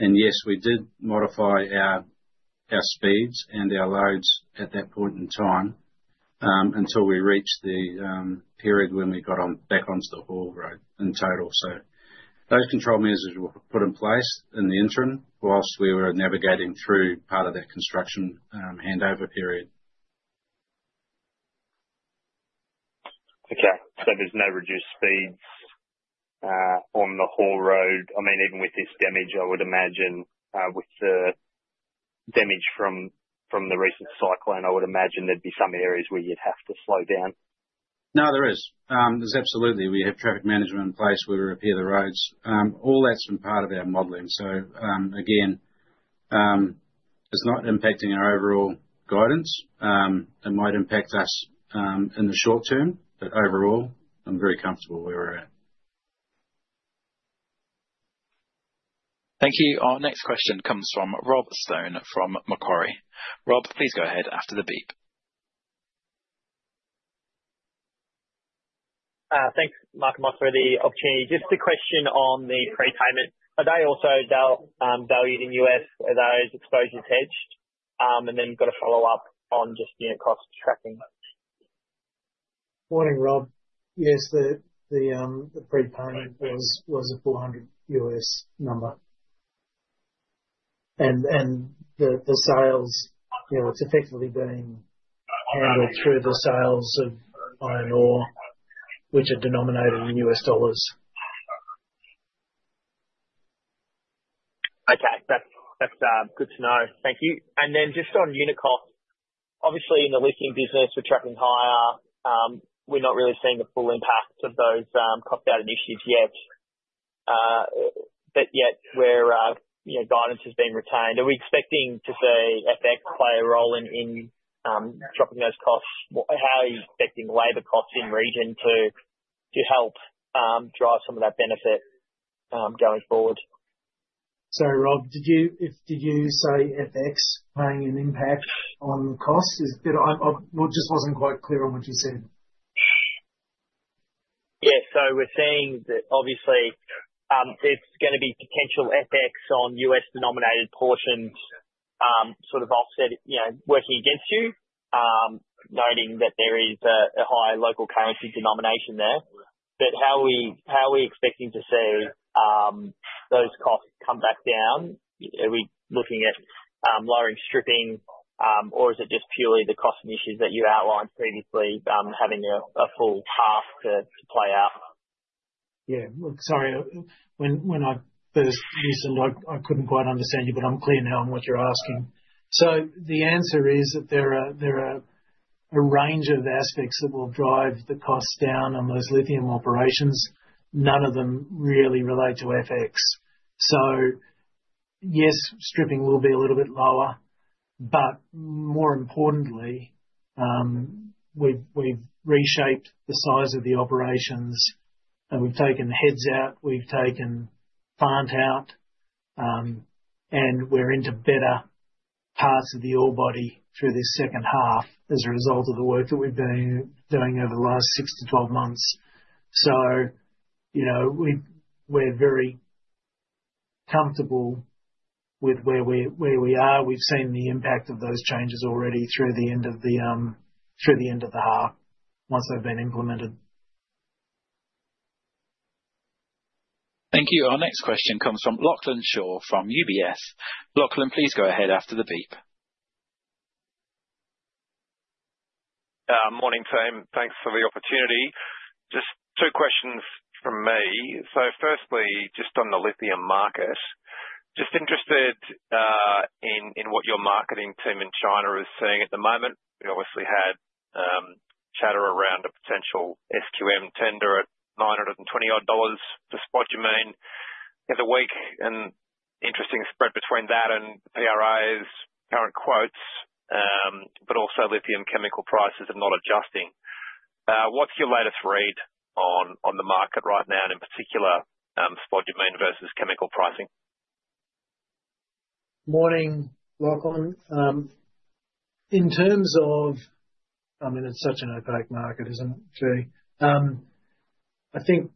S5: And yes, we did modify our speeds and our loads at that point in time until we reached the period when we got back onto the haul road in total. So those control measures were put in place in the interim whilst we were navigating through part of that construction handover period.
S9: Okay. So there's no reduced speeds on the haul road. I mean, even with this damage, I would imagine with the damage from the recent cyclone, I would imagine there'd be some areas where you'd have to slow down.
S5: No, there is. There's absolutely. We have traffic management in place where we repair the roads. All that's been part of our modelling. So again, it's not impacting our overall guidance. It might impact us in the short term, but overall, I'm very comfortable where we're at.
S1: Thank you. Our next question comes from Rob Stein from Macquarie. Rob Stein, please go ahead after the beep.
S10: Thanks, Mark Wilson and Mike Grey, for the opportunity. Just a question on the prepayment. Are they also valued in U.S., are those exposures hedged? And then we've got a follow-up on just cost tracking.
S2: Morning, Rob Stein. Yes, the prepayment was a 400 number. And the sales, it's effectively being handled through the sales of Iron Ore, which are denominated in USD.
S10: Okay. That's good to know. Thank you. And then just on unit cost, obviously, in the lithium business, we're tracking higher. We're not really seeing the full impact of those cost-down initiatives yet. But yet, guidance has been retained. Are we expecting to see FX play a role in dropping those costs? How are you expecting labor costs in region to help drive some of that benefit going forward?
S2: Sorry, Rob Stein. Did you say FX playing an impact on costs? I just wasn't quite clear on what you said.
S10: Yeah. So we're seeing that obviously, there's going to be potential FX on U.S.-denominated portions sort of offset, working against you, noting that there is a high local currency denomination there. But how are we expecting to see those costs come back down? Are we looking at lowering stripping, or is it just purely the cost initiatives that you outlined previously having a full path to play out? Yeah.
S2: Sorry. When I first listened, I couldn't quite understand you, but I'm clear now on what you're asking. So the answer is that there are a range of aspects that will drive the costs down on those lithium operations. None of them really relate to FX. So yes, stripping will be a little bit lower. But more importantly, we've reshaped the size of the operations, and we've taken heads out, we've taken plant out, and we're into better parts of the ore body through this second half as a result of the work that we've been doing over the last six to 12 months. So we're very comfortable with where we are. We've seen the impact of those changes already through the end of the half once they've been implemented.
S1: Thank you. Our next question comes from Lachlan Shaw from UBS. Lachlan, please go ahead after the beep. Morning, team.
S11: Thanks for the opportunity. Just two questions from me. So firstly, just on the lithium market, just interested in what your marketing team in China is seeing at the moment. We obviously had chatter around a potential SQM tender at $920 to spodumene the other week. There's an interesting spread between that and PRA's current quotes, but also lithium chemical prices are not adjusting. What's your latest read on the market right now and in particular, spodumene versus chemical pricing?
S2: Morning, Lachlan Shaw. In terms of, I mean, it's such an opaque market, isn't it, Jay? I think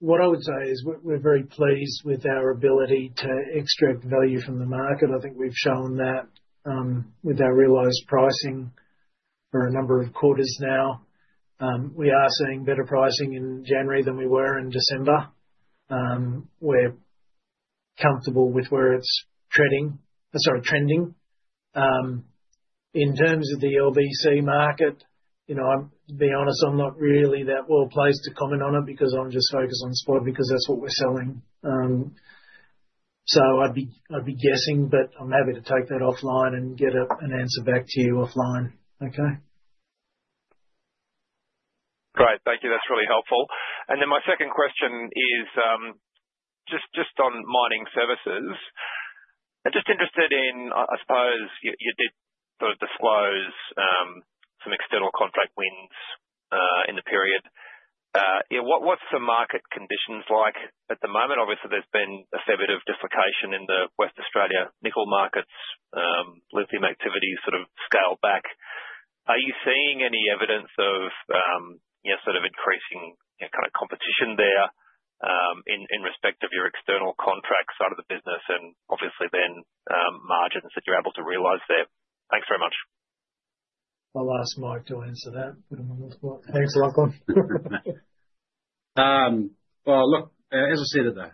S2: what I would say is we're very pleased with our ability to extract value from the market. I think we've shown that with our realized pricing for a number of quarters now. We are seeing better pricing in January than we were in December. We're comfortable with where it's trending. In terms of the LBC market, to be honest, I'm not really that well placed to comment on it because I'm just focused on spod because that's what we're selling. So I'd be guessing, but I'm happy to take that offline and get an answer back to you offline. Okay?
S11: Great. Thank you. That's really helpful. And then my second question is just on mining services. I'm just interested in, I suppose you did sort of disclose some external contract wins in the period. What's the market conditions like at the moment? Obviously, there's been a fair bit of dislocation in the Western Australia nickel markets. Lithium activity has sort of scaled back. Are you seeing any evidence of sort of increasing kind of competition there in respect of your external contracts out of the business and obviously then margins that you're able to realize there? Thanks very much.
S2: I'll ask Mike Grey to answer that. Thanks, Lachlan Shaw.
S5: Well, look, as I said at the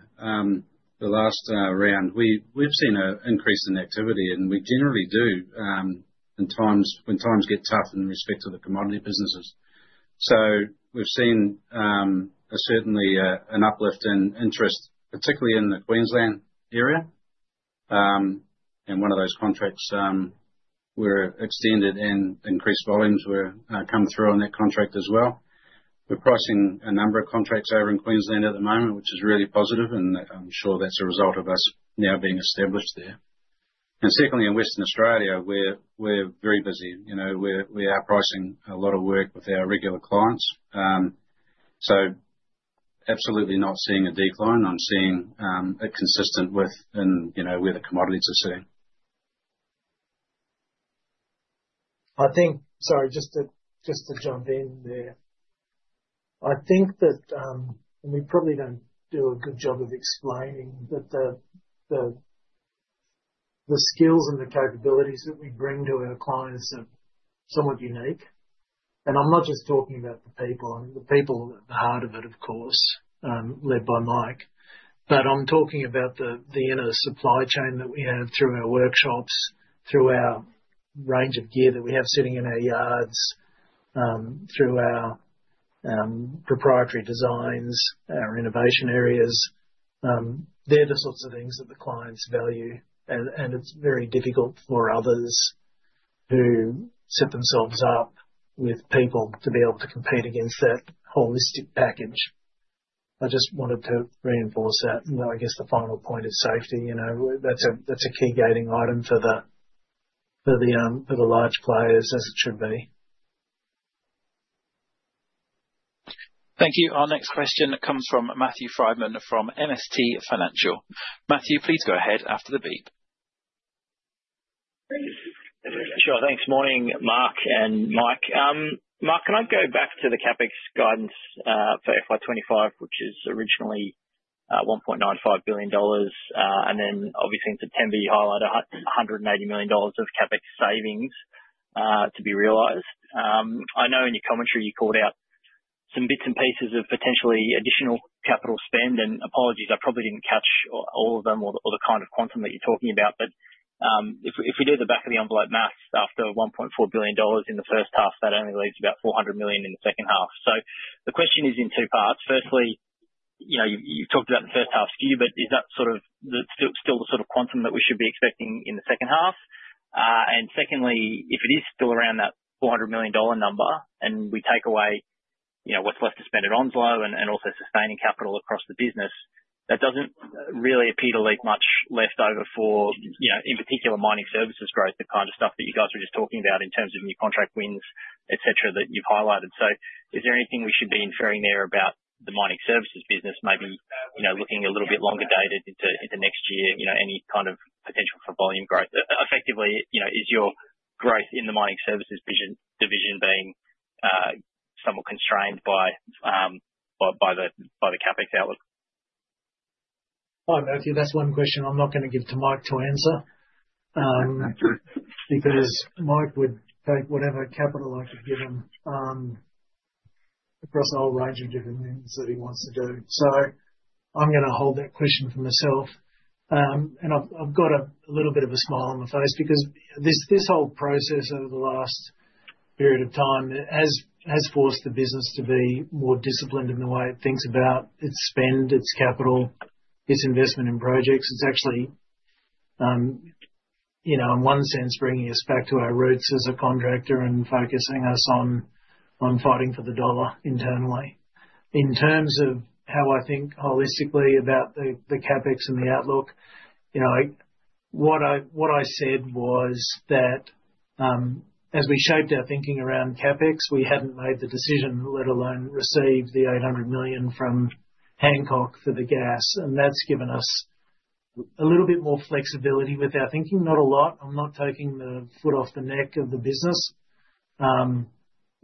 S5: last round, we've seen an increase in activity, and we generally do when times get tough in respect to the commodity businesses. So we've seen certainly an uplift in interest, particularly in the Queensland area. And one of those contracts where extended and increased volumes were come through on that contract as well. We're pricing a number of contracts over in Queensland at the moment, which is really positive, and I'm sure that's a result of us now being established there. And secondly, in Western Australia, we're very busy. We are pricing a lot of work with our regular clients. So absolutely not seeing a decline. I'm seeing it consistent with where the commodities are sitting.
S2: Sorry, just to jump in there. I think that we probably don't do a good job of explaining that the skills and the capabilities that we bring to our clients are somewhat unique, and I'm not just talking about the people. I mean, the people at the heart of it, of course, led by Mike Grey, but I'm talking about the inner supply chain that we have through our workshops, through our range of gear that we have sitting in our yards, through our proprietary designs, our innovation areas. They're the sorts of things that the clients value, and it's very difficult for others who set themselves up with people to be able to compete against that holistic package. I just wanted to reinforce that. I guess the final point is safety. That's a key gating item for the large players as it should be.
S1: Thank you. Our next question comes from Matthew Frydman from MST Financial. Matthew Frydman, please go ahead after the beep.
S12: Sure. Thanks. Morning, Mark Wilson and Mike Grey. Mark Wilson, can I go back to the CapEx guidance for FY 2025, which is originally 1.95 billion dollars? And then obviously, in September, you highlighted 180 million dollars of CapEx savings to be realized. I know in your commentary, you called out some bits and pieces of potentially additional capital spend. And apologies, I probably didn't catch all of them or the kind of quantum that you're talking about. But if we do the back-of-the-envelope math, after 1.4 billion dollars in the first-half, that only leaves about 400 million in the second half. So the question is in two parts. Firstly, you've talked about the first-half skew, but is that sort of still the sort of quantum that we should be expecting in the second half? Secondly, if it is still around that $400 million number, and we take away what's left to spend at Onslow and also sustaining capital across the business, that doesn't really appear to leave much left over for, in particular, mining services growth, the kind of stuff that you guys are just talking about in terms of new contract wins, etc., that you've highlighted. So is there anything we should be inferring there about the mining services business, maybe looking a little bit longer dated into next year, any kind of potential for volume growth? Effectively, is your growth in the mining services division being somewhat constrained by the CapEx outlook?
S2: Hi, Matthew Frydman. That's one question I'm not going to give to Mike Grey to answer because Mike Grey would take whatever capital I could give him across a whole range of different things that he wants to do. I'm going to hold that question for myself. I've got a little bit of a smile on my face because this whole process over the last period of time has forced the business to be more disciplined in the way it thinks about its spend, its capital, its investment in projects. It's actually, in one sense, bringing us back to our roots as a contractor and focusing us on fighting for the dollar internally. In terms of how I think holistically about the CapEx and the outlook, what I said was that as we shaped our thinking around CapEx, we hadn't made the decision, let alone received the 800 million from Hancock for the gas. That's given us a little bit more flexibility with our thinking. Not a lot. I'm not taking the foot off the neck of the business.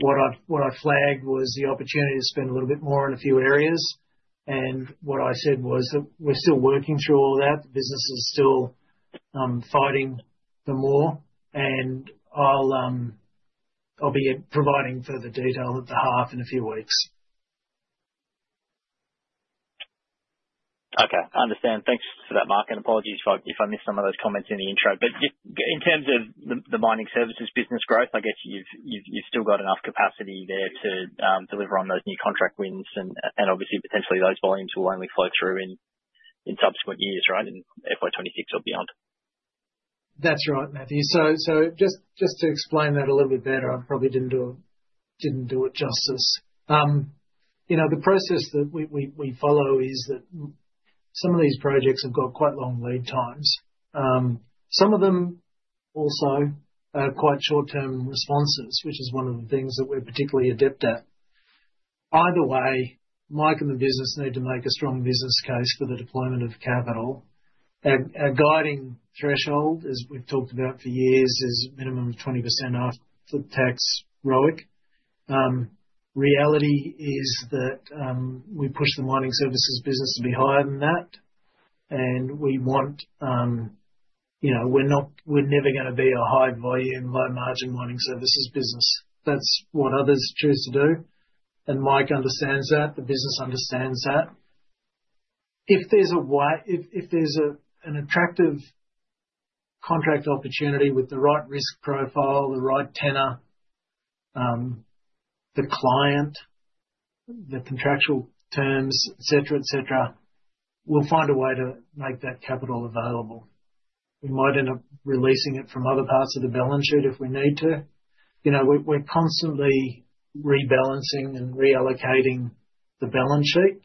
S2: What I flagged was the opportunity to spend a little bit more in a few areas. And what I said was that we're still working through all that. The business is still fighting for more. And I'll be providing further detail at the half in a few weeks.
S12: Okay. I understand. Thanks for that, Mark Wilson. And apologies if I missed some of those comments in the intro. But in terms of the mining services business growth, I guess you've still got enough capacity there to deliver on those new contract wins. And obviously, potentially, those volumes will only flow through in subsequent years, right, in FY 2026 or beyond.
S2: That's right, Matthew Frydman. So just to explain that a little bit better, I probably didn't do it justice. The process that we follow is that some of these projects have got quite long lead times. Some of them also are quite short-term responses, which is one of the things that we're particularly adept at. Either way, Mike Grey and the business need to make a strong business case for the deployment of capital. Our guiding threshold, as we've talked about for years, is a minimum of 20% after tax ROIC. Reality is that we push the mining services business to be higher than that. And we want, we're never going to be a high-volume, low-margin mining services business. That's what others choose to do. And Mike Grey understands that. The business understands that. If there's an attractive contract opportunity with the right risk profile, the right tenor, the client, the contractual terms, etc., etc., we'll find a way to make that capital available. We might end up releasing it from other parts of the balance sheet if we need to. We're constantly rebalancing and reallocating the balance sheet,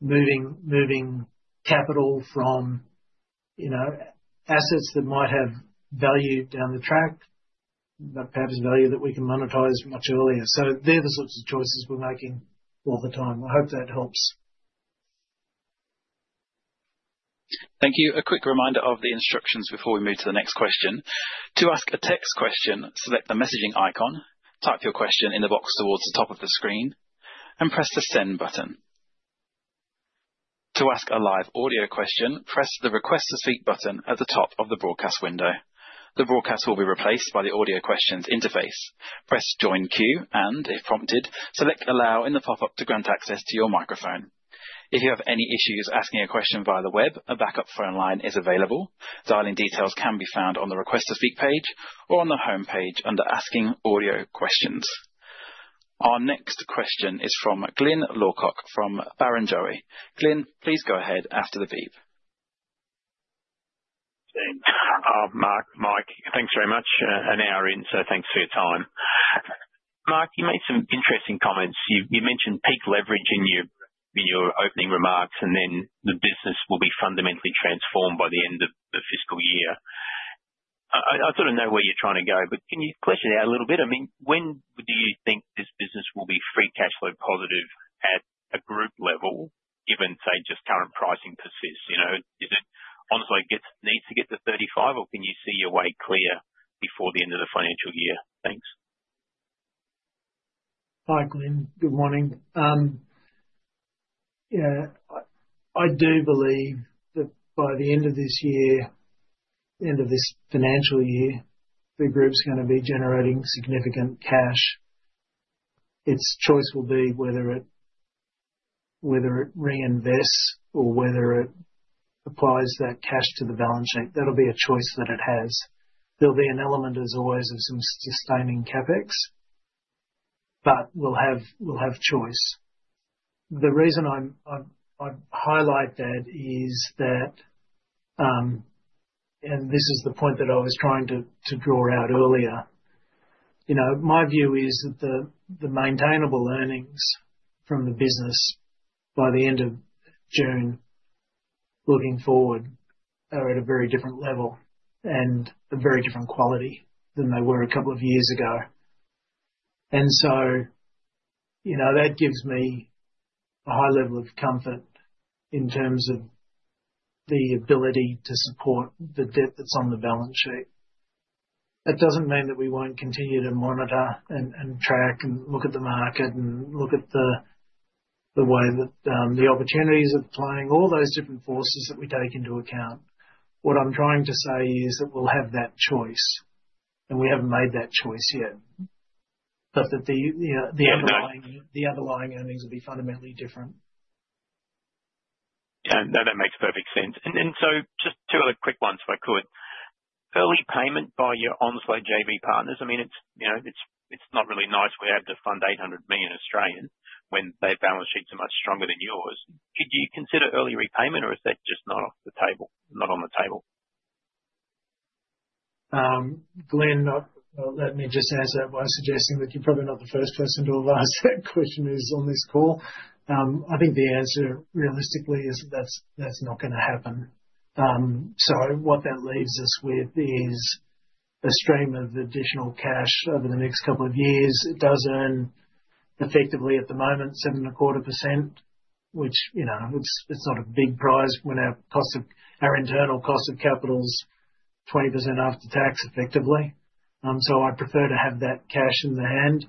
S2: moving capital from assets that might have value down the track, but perhaps value that we can monetize much earlier. So they're the sorts of choices we're making all the time. I hope that helps.
S1: Thank you. A quick reminder of the instructions before we move to the next question. To ask a text question, select the messaging icon, type your question in the box towards the top of the screen, and press the send button. To ask a live audio question, press the request to speak button at the top of the broadcast window. The broadcast will be replaced by the audio questions interface. Press join queue, and if prompted, select allow in the pop-up to grant access to your microphone. If you have any issues asking a question via the web, a backup phone line is available. Dialing details can be found on the request to speak page or on the homepage under asking audio questions. Our next question is from Glyn Lawcock from Barrenjoey. Glyn Lawcock, please go ahead after the beep.
S13: Mike Grey, thanks very much. An hour in, so thanks for your time. Mark Wilson, you made some interesting comments. You mentioned peak leverage in your opening remarks, and then the business will be fundamentally transformed by the end of the fiscal year. I sort of know where you're trying to go, but can you flesh it out a little bit? I mean, when do you think this business will be free cash flow positive at a group level, given, say, just current pricing persists? Is it honestly needs to get to 35, or can you see your way clear before the end of the financial year?
S2: Thanks. Hi, Glyn Lawcock. Good morning. I do believe that by the end of this year, the end of this financial year, the group's going to be generating significant cash. Its choice will be whether it reinvests or whether it applies that cash to the balance sheet. That'll be a choice that it has. There'll be an element, as always, of some sustaining CapEx, but we'll have choice. The reason I highlight that is that, and this is the point that I was trying to draw out earlier, my view is that the maintainable earnings from the business by the end of June looking forward are at a very different level and a very different quality than they were a couple of years ago. And so that gives me a high level of comfort in terms of the ability to support the debt that's on the balance sheet. That doesn't mean that we won't continue to monitor and track and look at the market and look at the way that the opportunities are playing, all those different forces that we take into account. What I'm trying to say is that we'll have that choice, and we haven't made that choice yet, but that the underlying earnings will be fundamentally different.
S13: Yeah, that makes perfect sense, and so just two other quick ones if I could. Early payment by your Onslow JV partners, I mean, it's not really nice. We have to fund 800 million when their balance sheets are much stronger than yours. Could you consider early repayment, or is that just not on the table?
S2: Glyn Lawcock, let me just answer that by suggesting that you're probably not the first person to advise that question is on this call. I think the answer, realistically, is that that's not going to happen. So what that leaves us with is a stream of additional cash over the next couple of years. It does earn effectively at the moment 7.25%, which it's not a big price when our internal cost of capital is 20% after tax, effectively. So I prefer to have that cash in the hand.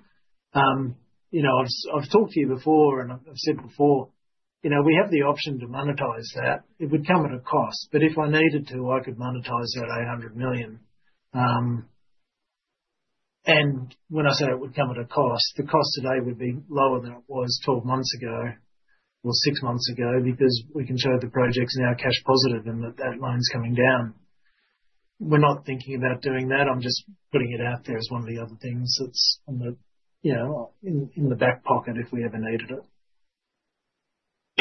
S2: I've talked to you before, and I've said before, we have the option to monetize that. It would come at a cost. But if I needed to, I could monetize that 800 million. And when I say it would come at a cost, the cost today would be lower than it was 12 months ago or six months ago because we can show the projects now cash positive and that that loan's coming down. We're not thinking about doing that. I'm just putting it out there as one of the other things that's in the back pocket if we ever needed it.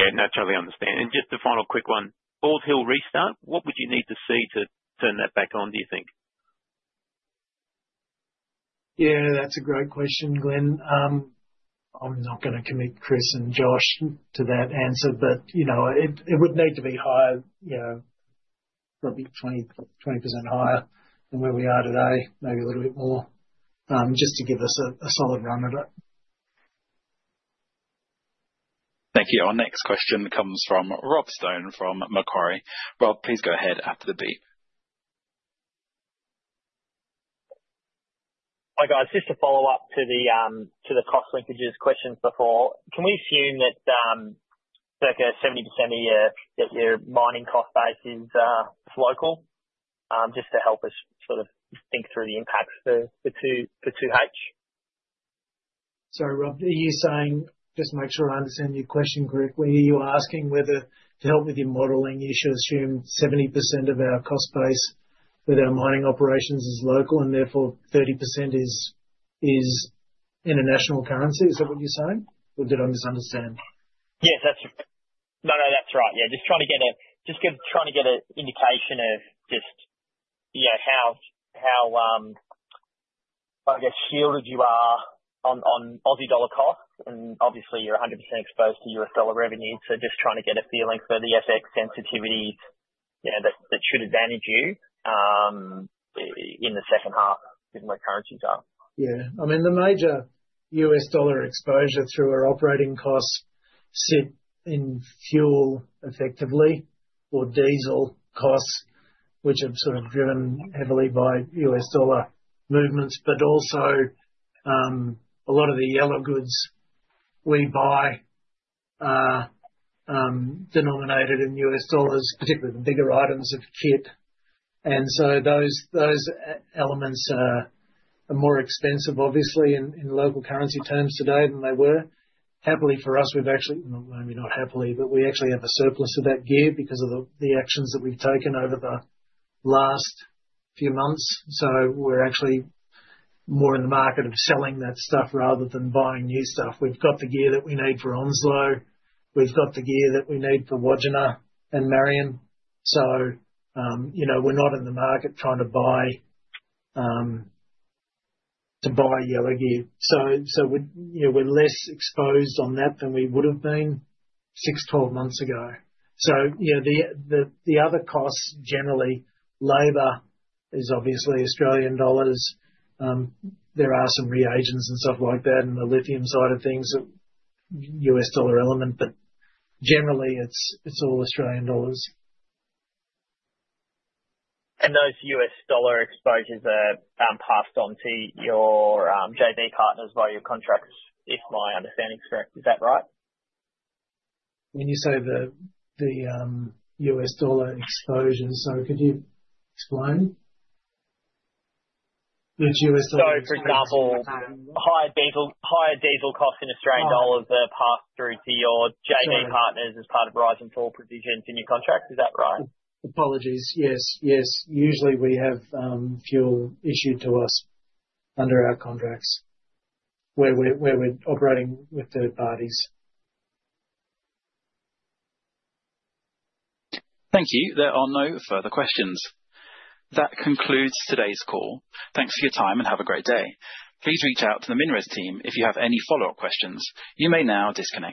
S13: Yeah, no, totally understand. And just a final quick one. Bald Hill restart, what would you need to see to turn that back on, do you think?
S2: Yeah, that's a great question, Glyn Lawcock. I'm not going to commit Chris Chong and Joshua Thurlow to that answer, but it would need to be higher, probably 20% higher than where we are today, maybe a little bit more, just to give us a solid run at it.
S1: Thank you. Our next question comes from Rob Stein from Macquarie. Rob Stein, please go ahead after the beep.
S10: Hi, guys. Just to follow up to the cost linkages questions before, can we assume that circa 70% of your mining cost base is local? Just to help us sort of think through the impact for 2H?
S2: Sorry, Rob Stein. Are you saying, just to make sure I understand your question correctly, are you asking whether to help with your modeling, you should assume 70% of our cost base with our mining operations is local and therefore 30% is in a national currency? Is that what you're saying? Or did I misunderstand?
S10: Yes, that's right. No, no, that's right. Yeah, just trying to get an indication of just how, I guess, shielded you are on Aussie dollar costs. And obviously, you're 100% exposed to U.S. dollar revenue. So just trying to get a feeling for the FX sensitivities that should advantage you in the second half given where currencies are.
S2: Yeah. I mean, the major U.S. dollar exposure through our operating costs sit in fuel, effectively, or diesel costs, which have sort of driven heavily by U.S. dollar movements. But also a lot of the yellow goods we buy denominated in U.S. dollars, particularly the bigger items of kit. And so those elements are more expensive, obviously, in local currency terms today than they were. Happily for us, we've actually maybe not happily, but we actually have a surplus of that gear because of the actions that we've taken over the last few months. So we're actually more in the market of selling that stuff rather than buying new stuff. We've got the gear that we need for Onslow. We've got the gear that we need for Wodgina and Marion. So we're not in the market trying to buy yellow gear. So we're less exposed on that than we would have been six, 12 months ago. So yeah, the other costs, generally, labor is obviously Australian dollars. There are some reagents and stuff like that in the lithium side of things, U.S. dollar element, but generally, it's all Australian dollars.
S10: And those U.S. dollar exposures are passed on to your JV partners via your contracts, if my understanding is correct. Is that right?
S2: When you say the U.S. dollar exposures, so could you explain? Which U.S. dollar exposures are passed on?
S10: So, for example, higher diesel costs in Australian dollars are passed through to your JV partners as part of rising fuel provisions in your contracts. Is that right?
S2: Apologies. Yes, yes. Usually, we have fuel issued to us under our contracts where we're operating with third parties.
S1: Thank you. There are no further questions. That concludes today's call. Thanks for your time and have a great day. Please reach out to the MinRes team if you have any follow-up questions. You may now disconnect.